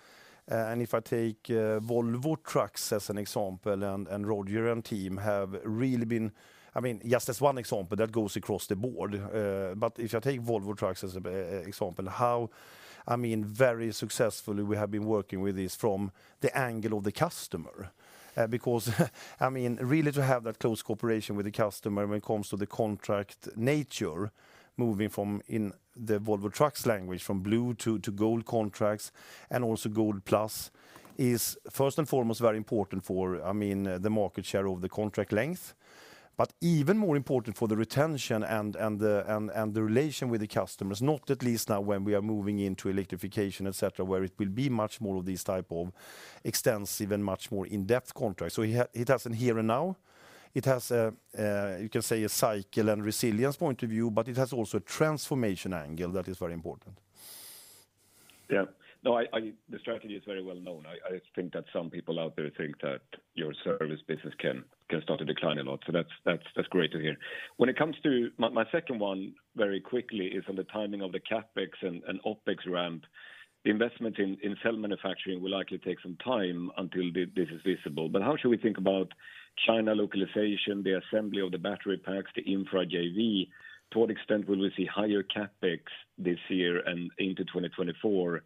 If I take Volvo Trucks as an example, Roger and team have really been... I mean, just as one example, that goes across the board. If I take Volvo Trucks as an example, how, I mean, very successfully we have been working with this from the angle of the customer. Because, I mean, really to have that close cooperation with the customer when it comes to the contract nature, moving from, in the Volvo Trucks language, from blue to gold contracts, and also gold plus, is first and foremost very important for, I mean, the market share of the contract length. Even more important for the retention and the relation with the customers, not at least now when we are moving into electrification, et cetera, where it will be much more of these type of extensive and much more in-depth contracts. It has an here and now. It has a, you can say a cycle and resilience point of view, but it has also a transformation angle that is very important. Yeah. No, I, the strategy is very well known. I think that some people out there think that your service business can start to decline a lot. That's great to hear. When it comes to my second one, very quickly, is on the timing of the CapEx and OpEx ramp. Investment in cell manufacturing will likely take some time until this is visible. How should we think about China localization, the assembly of the battery packs, the infra JV? To what extent will we see higher CapEx this year and into 2024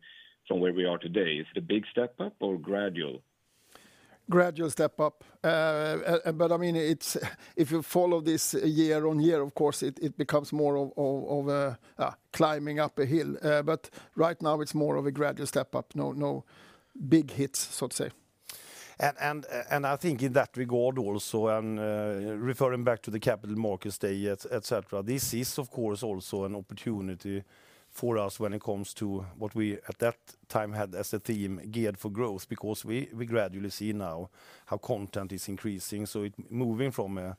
from where we are today? Is it a big step up or gradual? Gradual step up. I mean, it's, if you follow this year on year, of course, it becomes more of a climbing up a hill. Right now it's more of a gradual step up. No big hits, so to say. I think in that regard also, referring back to the Capital Markets Day, et cetera, this is of course also an opportunity for us when it comes to what we at that time had as a theme, geared for growth, because we gradually see now how content is increasing. Moving from a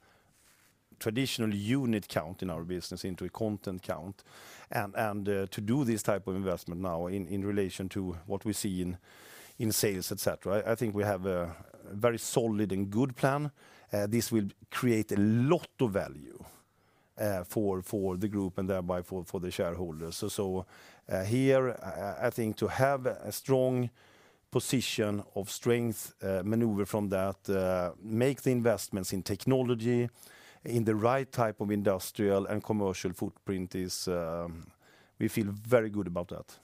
traditional unit count in our business into a content count, and to do this type of investment now in relation to what we see in sales, et cetera, I think we have a very solid and good plan. This will create a lot of value for the Group and thereby for the shareholders. Here, I think to have a strong position of strength, maneuver from that, make the investments in technology, in the right type of industrial and commercial footprint is, we feel very good about that.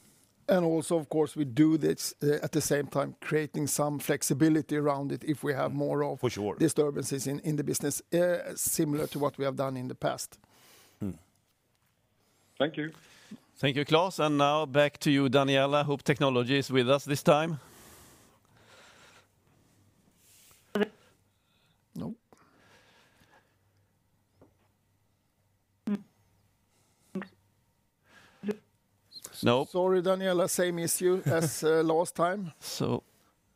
Also, of course, we do this, at the same time creating some flexibility around it if we have more of- For sure. -disturbances in the business, similar to what we have done in the past. Mm. Thank you. Thank you, Klas. Now back to you, Daniela. Hope technology is with us this time. No. No. Sorry, Daniela. Same issue as last time.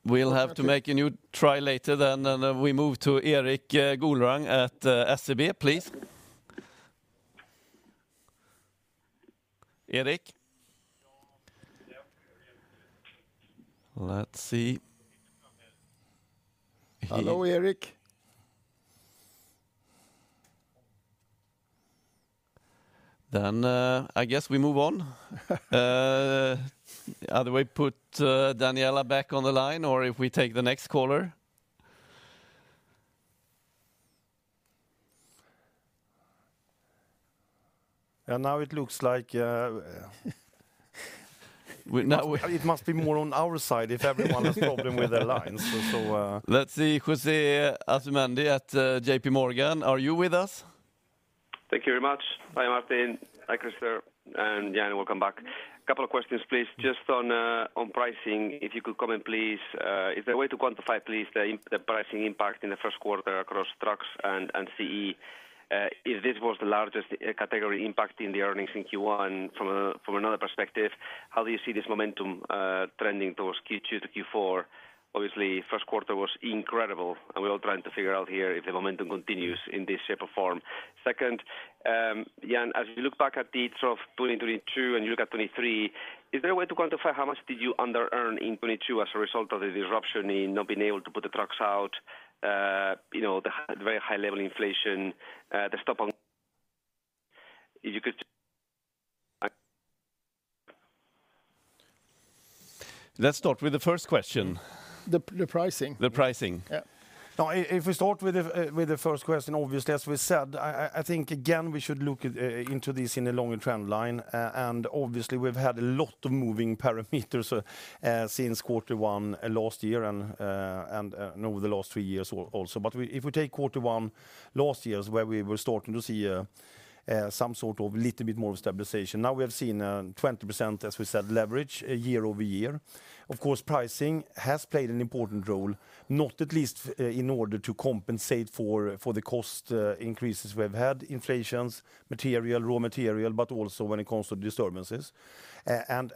We'll have to make a new try later then. We move to Erik Golrang at SEB, please. Erik? Let's see. Hello, Erik. I guess we move on. Either we put Daniela Costa back on the line, or if we take the next caller. Now it looks like. We- now we- It must be more on our side if everyone has problem with their lines. Let's see José Asumendi at JPMorgan. Are you with us? Thank you very much. Hi, Martin. Hi, Christer. Jan, welcome back. A couple of questions, please. Just on pricing, if you could comment, please, is there a way to quantify, please, the pricing impact in the first quarter across trucks and CE? If this was the largest category impact in the earnings in Q1 from another perspective, how do you see this momentum trending towards Q2 to Q4? Obviously, first quarter was incredible, and we're all trying to figure out here if the momentum continues in this shape or form. Second, Jan, as you look back at the sort of 2022, you look at 2023, is there a way to quantify how much did you under-earn in 2022 as a result of the disruption in not being able to put the trucks out, you know, very high level inflation, the stop on... If you could... Let's start with the first question. The pricing. The pricing. Yeah. If we start with the first question, obviously, as we said, I think, again, we should look into this in a longer trend line. Obviously we've had a lot of moving parameters since quarter one last year and also over the last three years. We, if we take quarter one last year where we were starting to see some sort of little bit more of stabilization, now we have seen 20%, as we said, leverage year-over-year. Of course, pricing has played an important role, not at least in order to compensate for the cost increases we've had, inflations, material, raw material, but also when it comes to disturbances.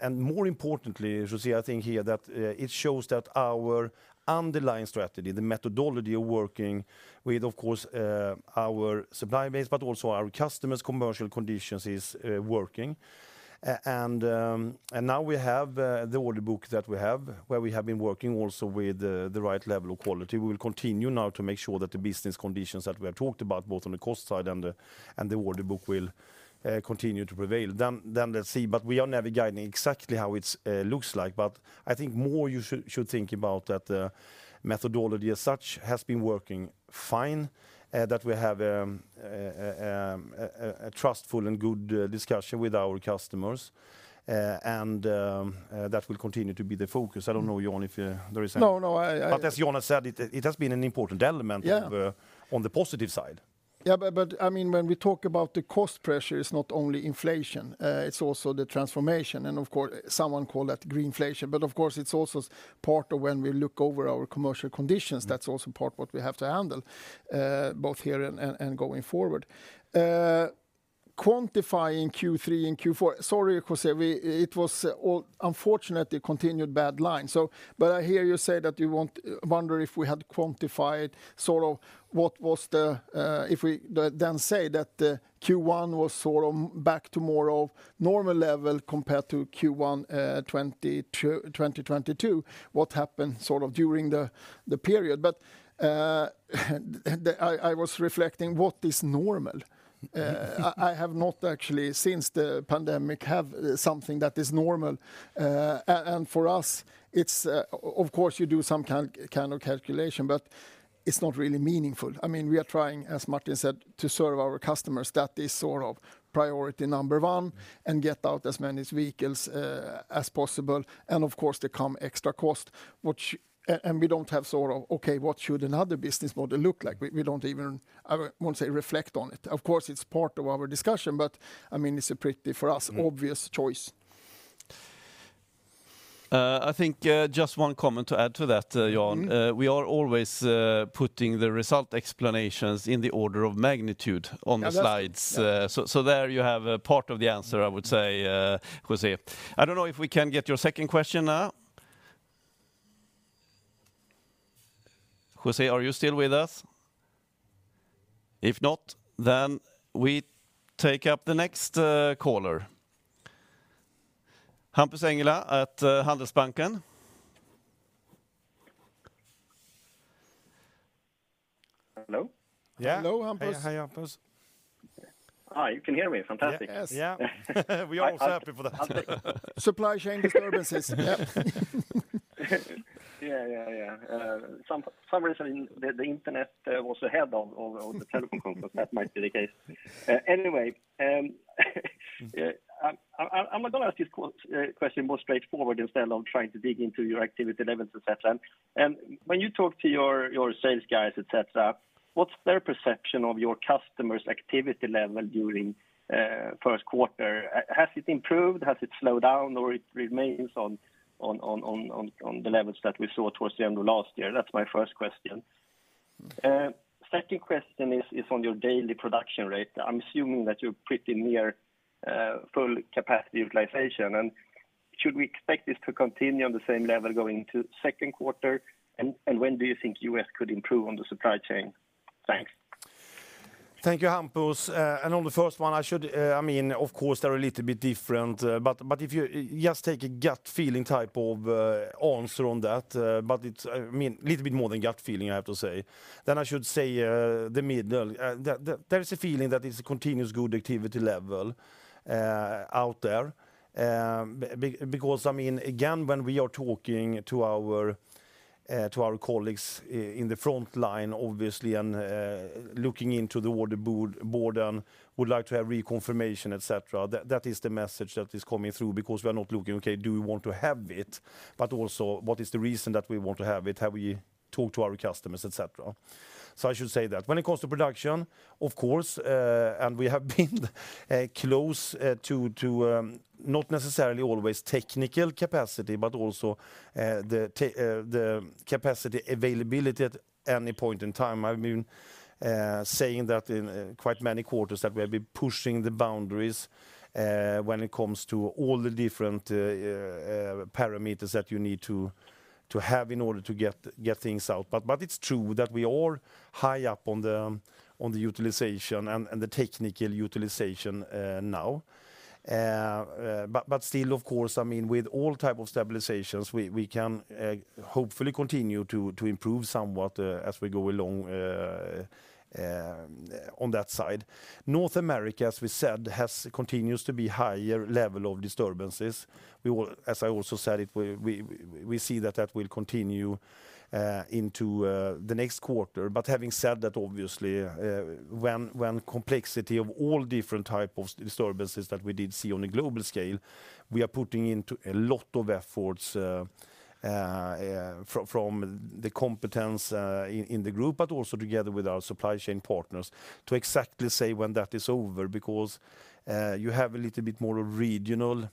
More importantly, José, I think here that it shows that our underlying strategy, the methodology of working with, of course, our supply base, but also our customers' commercial conditions, is working. Now we have the order book that we have, where we have been working also with the right level of quality. We will continue now to make sure that the business conditions that we have talked about, both on the cost side and the order book, will continue to prevail. Let's see. We are navigating exactly how it looks like. I think more you should think about that the methodology as such has been working fine, that we have a trustful and good discussion with our customers. That will continue to be the focus. I don't know, Jan, if there is. No, no, I. As Jan has said, it has been an important element of. Yeah on the positive side. I mean, when we talk about the cost pressure, it's not only inflation, it's also the transformation. Of course, someone call that greenflation. Of course, it's also part of when we look over our commercial conditions, that's also part what we have to handle, both here and going forward. Quantifying Q3 and Q4, sorry, José, we, it was all, unfortunately, continued bad line, so. I hear you say that you wonder if we had quantified sort of what was the, if we then say that the Q1 was sort of back to more of normal level compared to Q1 2022, what happened sort of during the period. I was reflecting what is normal. I have not actually, since the pandemic, have something that is normal. For us, it's of course you do some kind of calculation, but it's not really meaningful. I mean, we are trying, as Martin said, to serve our customers. That is sort of priority number one, and get out as many vehicles as possible. Of course, there come extra cost, which. We don't have sort of, "Okay, what should another business model look like?" We don't even, I won't say reflect on it. Of course, it's part of our discussion, but, I mean, it's a pretty, for us, obvious choice. I think, just one comment to add to that, Jan. Mm-hmm. We are always putting the result explanations in the order of magnitude on the slides. Yeah, that's, yeah. There you have a part of the answer, I would say, José. I don't know if we can get your second question now. José, are you still with us? If not, we take up the next caller. Hampus Engellau at Handelsbanken. Hello? Hello, Hampus. Hey, Hampus. You can hear me, fantastic. Yes. Yeah. We are all happy for that. Supply chain disturbances. Yeah, yeah. Some reason the internet was ahead of the telephone call, but that might be the case. Anyway, I'm gonna ask this question more straightforward instead of trying to dig into your activity levels, et cetera. When you talk to your sales guys, et cetera, what's their perception of your customers' activity level during first quarter? Has it improved? Has it slowed down or it remains on the levels that we saw towards the end of last year? That's my first question. Second question is on your daily production rate. I'm assuming that you're pretty near full capacity utilization. Should we expect this to continue on the same level going into second quarter? When do you think you guys could improve on the supply chain? Thanks. Thank you, Hampus. On the first one, I mean, of course, they're a little bit different. If you just take a gut feeling type of answer on that, but it's, I mean, little bit more than gut feeling, I have to say. I should say, the middle. There is a feeling that it's a continuous good activity level out there. Because, I mean, again, when we are talking to our colleagues in the front line, obviously, and looking into the order board and would like to have reconfirmation, et cetera, that is the message that is coming through because we are not looking, okay, do we want to have it? Also, what is the reason that we want to have it? Have we talked to our customers, et cetera? I should say that. When it comes to production, of course, and we have been close to not necessarily always technical capacity, but also the capacity availability at any point in time. I've been saying that in quite many quarters that we have been pushing the boundaries when it comes to all the different parameters that you need to have in order to get things out. It's true that we are high up on the utilization and the technical utilization now. Still, of course, I mean, with all type of stabilizations, we can hopefully continue to improve somewhat as we go along on that side. North America, as we said, continues to be higher level of disturbances. We will, as I also said, we see that that will continue into the next quarter. Having said that, obviously, when complexity of all different type of disturbances that we did see on a global scale, we are putting into a lot of efforts from the competence in the group, but also together with our supply chain partners to exactly say when that is over, because you have a little bit more of regional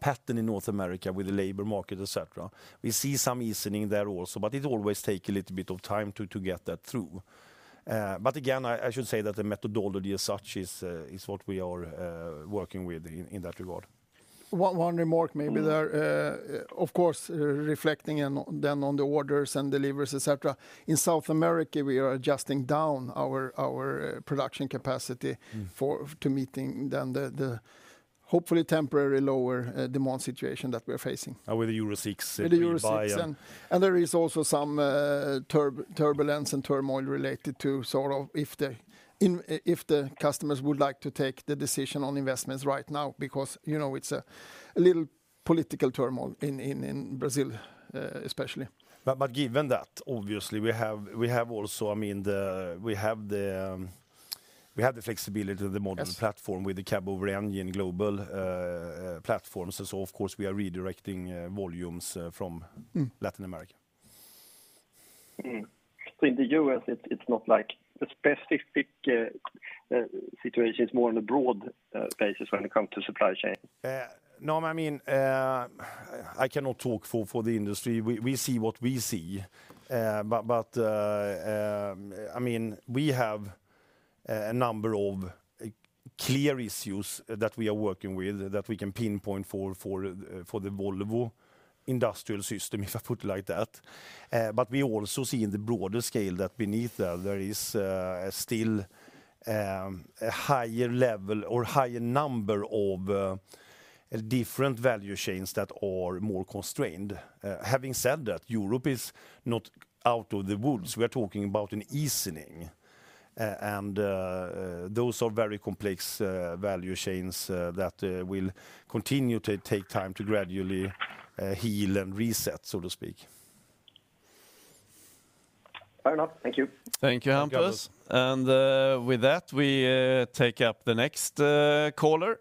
pattern in North America with the labor market, et cetera. We see some easing there also, but it always take a little bit of time to get that through. Again, I should say that the methodology as such is what we are working with in that regard. One remark maybe there. Mm-hmm. Of course, reflecting then on the orders and deliveries, et cetera. In South America, we are adjusting down our production capacity- Mm. To meeting then the, hopefully temporary lower, demand situation that we're facing. With the Euro 6, we buy. With the Euro 6, and there is also some turbulence and turmoil related to sort of if the customers would like to take the decision on investments right now, because, you know, it's a little political turmoil in Brazil, especially. Given that, obviously, we have also, I mean, we have the flexibility of the- Yes -platform with the cab-over-engine global platforms. Of course we are redirecting volumes from- Mm -Latin America. In the U.S., it's not like a specific situation. It's more on a broad basis when it comes to supply chain? No, I mean, I cannot talk for the industry. We see what we see. I mean, we have a number of clear issues that we are working with that we can pinpoint for the Volvo industrial system, if I put it like that. We also see in the broader scale that beneath that, there is still a higher level or higher number of different value chains that are more constrained. Having said that, Europe is not out of the woods. We're talking about an easing, and those are very complex value chains that will continue to take time to gradually heal and reset, so to speak. Fair enough. Thank you. Thank you. Thank you, Hampus. With that, we take up the next caller.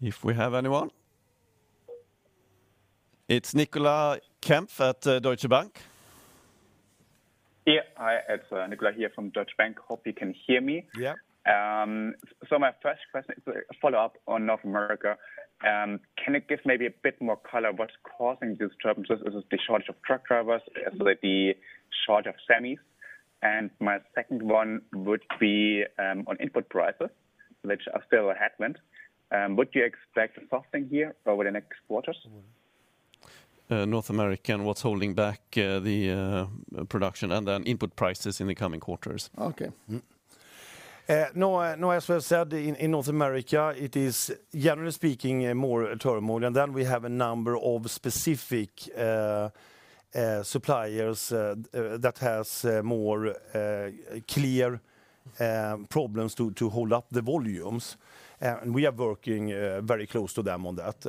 If we have anyone. It's Nicolai Kempf at Deutsche Bank. Yeah. Hi, it's Nicolai here from Deutsche Bank. Hope you can hear me. Yeah. My first question is a follow-up on North America. Can you give maybe a bit more color what's causing these troubles? Is it the shortage of truck drivers? Is it the shortage of semis? My second one would be on input prices, which are still a headwind. Would you expect softening here over the next quarters? North America and what's holding back, the production and then input prices in the coming quarters. Okay. No, as we have said, in North America, it is generally speaking more turmoil. We have a number of specific suppliers that has more clear problems to hold up the volumes. We are working very close to them on that.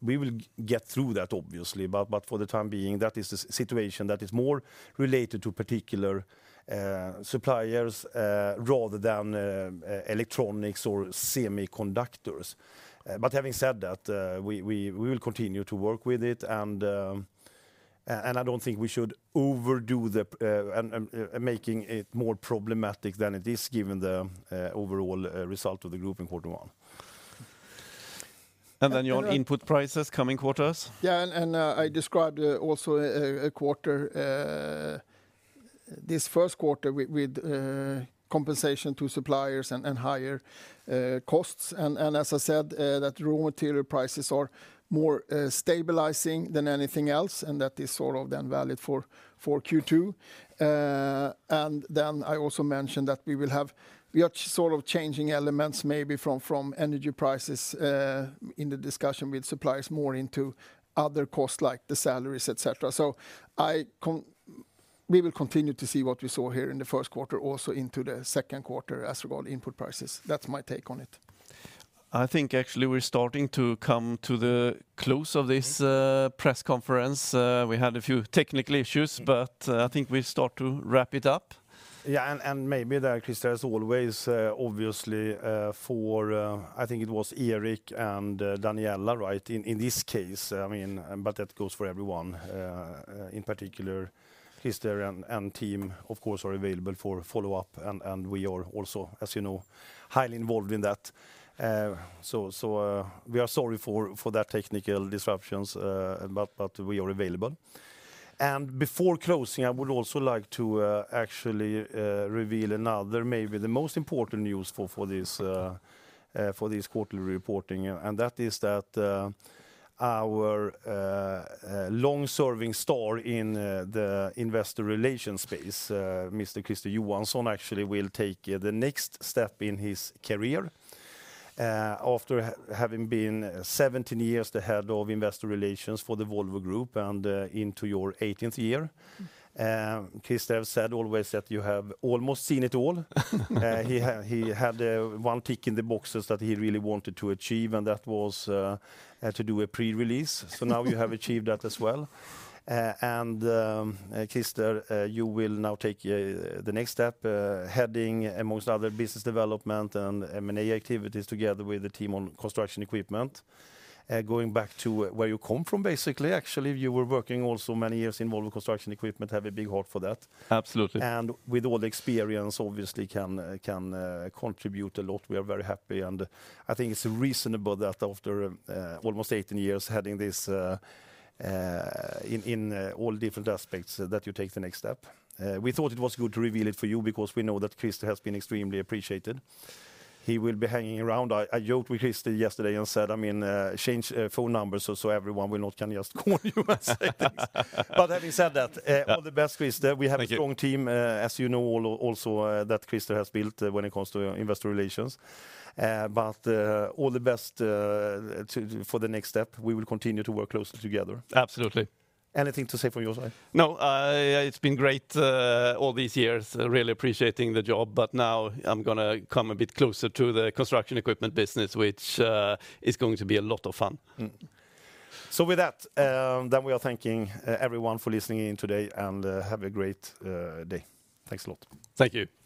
We will get through that obviously, but for the time being, that is the situation that is more related to particular suppliers rather than electronics or semiconductors. Having said that, we will continue to work with it and I don't think we should overdo the making it more problematic than it is, given the overall result of the Group in quarter one. Your input prices coming quarters? Yeah, I described also a quarter, this first quarter with compensation to suppliers and higher costs. As I said, that raw material prices are more stabilizing than anything else, and that is sort of then valid for Q2. I also mentioned that we are sort of changing elements maybe from energy prices in the discussion with suppliers more into other costs like the salaries, et cetera. We will continue to see what we saw here in the first quarter also into the second quarter as regard input prices. That's my take on it. I think actually we're starting to come to the close of this press conference. We had a few technical issues. I think we start to wrap it up. Yeah, and maybe there, Christer, as always, obviously, for, I think it was Erik and Daniela, right? In this case, I mean, that goes for everyone. In particular, Christer and team of course are available for follow-up, and we are also, as you know, highly involved in that. We are sorry for that technical disruptions, but we are available. Before closing, I would also like to actually reveal another, maybe the most important news for this quarterly reporting. That is that our long-serving star in the investor relations space, Mr. Christer Johansson, actually will take the next step in his career, after having been 17 years the head of investor relations for the Volvo Group and into your 18th year. Christer said always that you have almost seen it all. He had one tick in the boxes that he really wanted to achieve, and that was to do a pre-release. Now you have achieved that as well. Christer, you will now take the next step, heading amongst other business development and M&A activities together with the team on construction equipment. Going back to where you come from, basically. Actually, you were working also many years in Volvo Construction Equipment, have a big heart for that. Absolutely. With all the experience, obviously can contribute a lot. We are very happy, and I think it's reasonable that after almost 18 years heading this in all different aspects that you take the next step. We thought it was good to reveal it for you because we know that Christer has been extremely appreciated. He will be hanging around. I joked with Christer yesterday and said, I mean, change phone numbers so everyone will not can just call you and say things. Having said that. Yeah. All the best, Christer. Thank you. We have a strong team, as you know, also, that Christer has built when it comes to Investor Relations. All the best, to, for the next step. We will continue to work closely together. Absolutely. Anything to say from your side? No. It's been great, all these years. Really appreciating the job, but now I'm gonna come a bit closer to the construction equipment business, which is going to be a lot of fun. With that, then we are thanking everyone for listening in today and, have a great day. Thanks a lot. Thank you.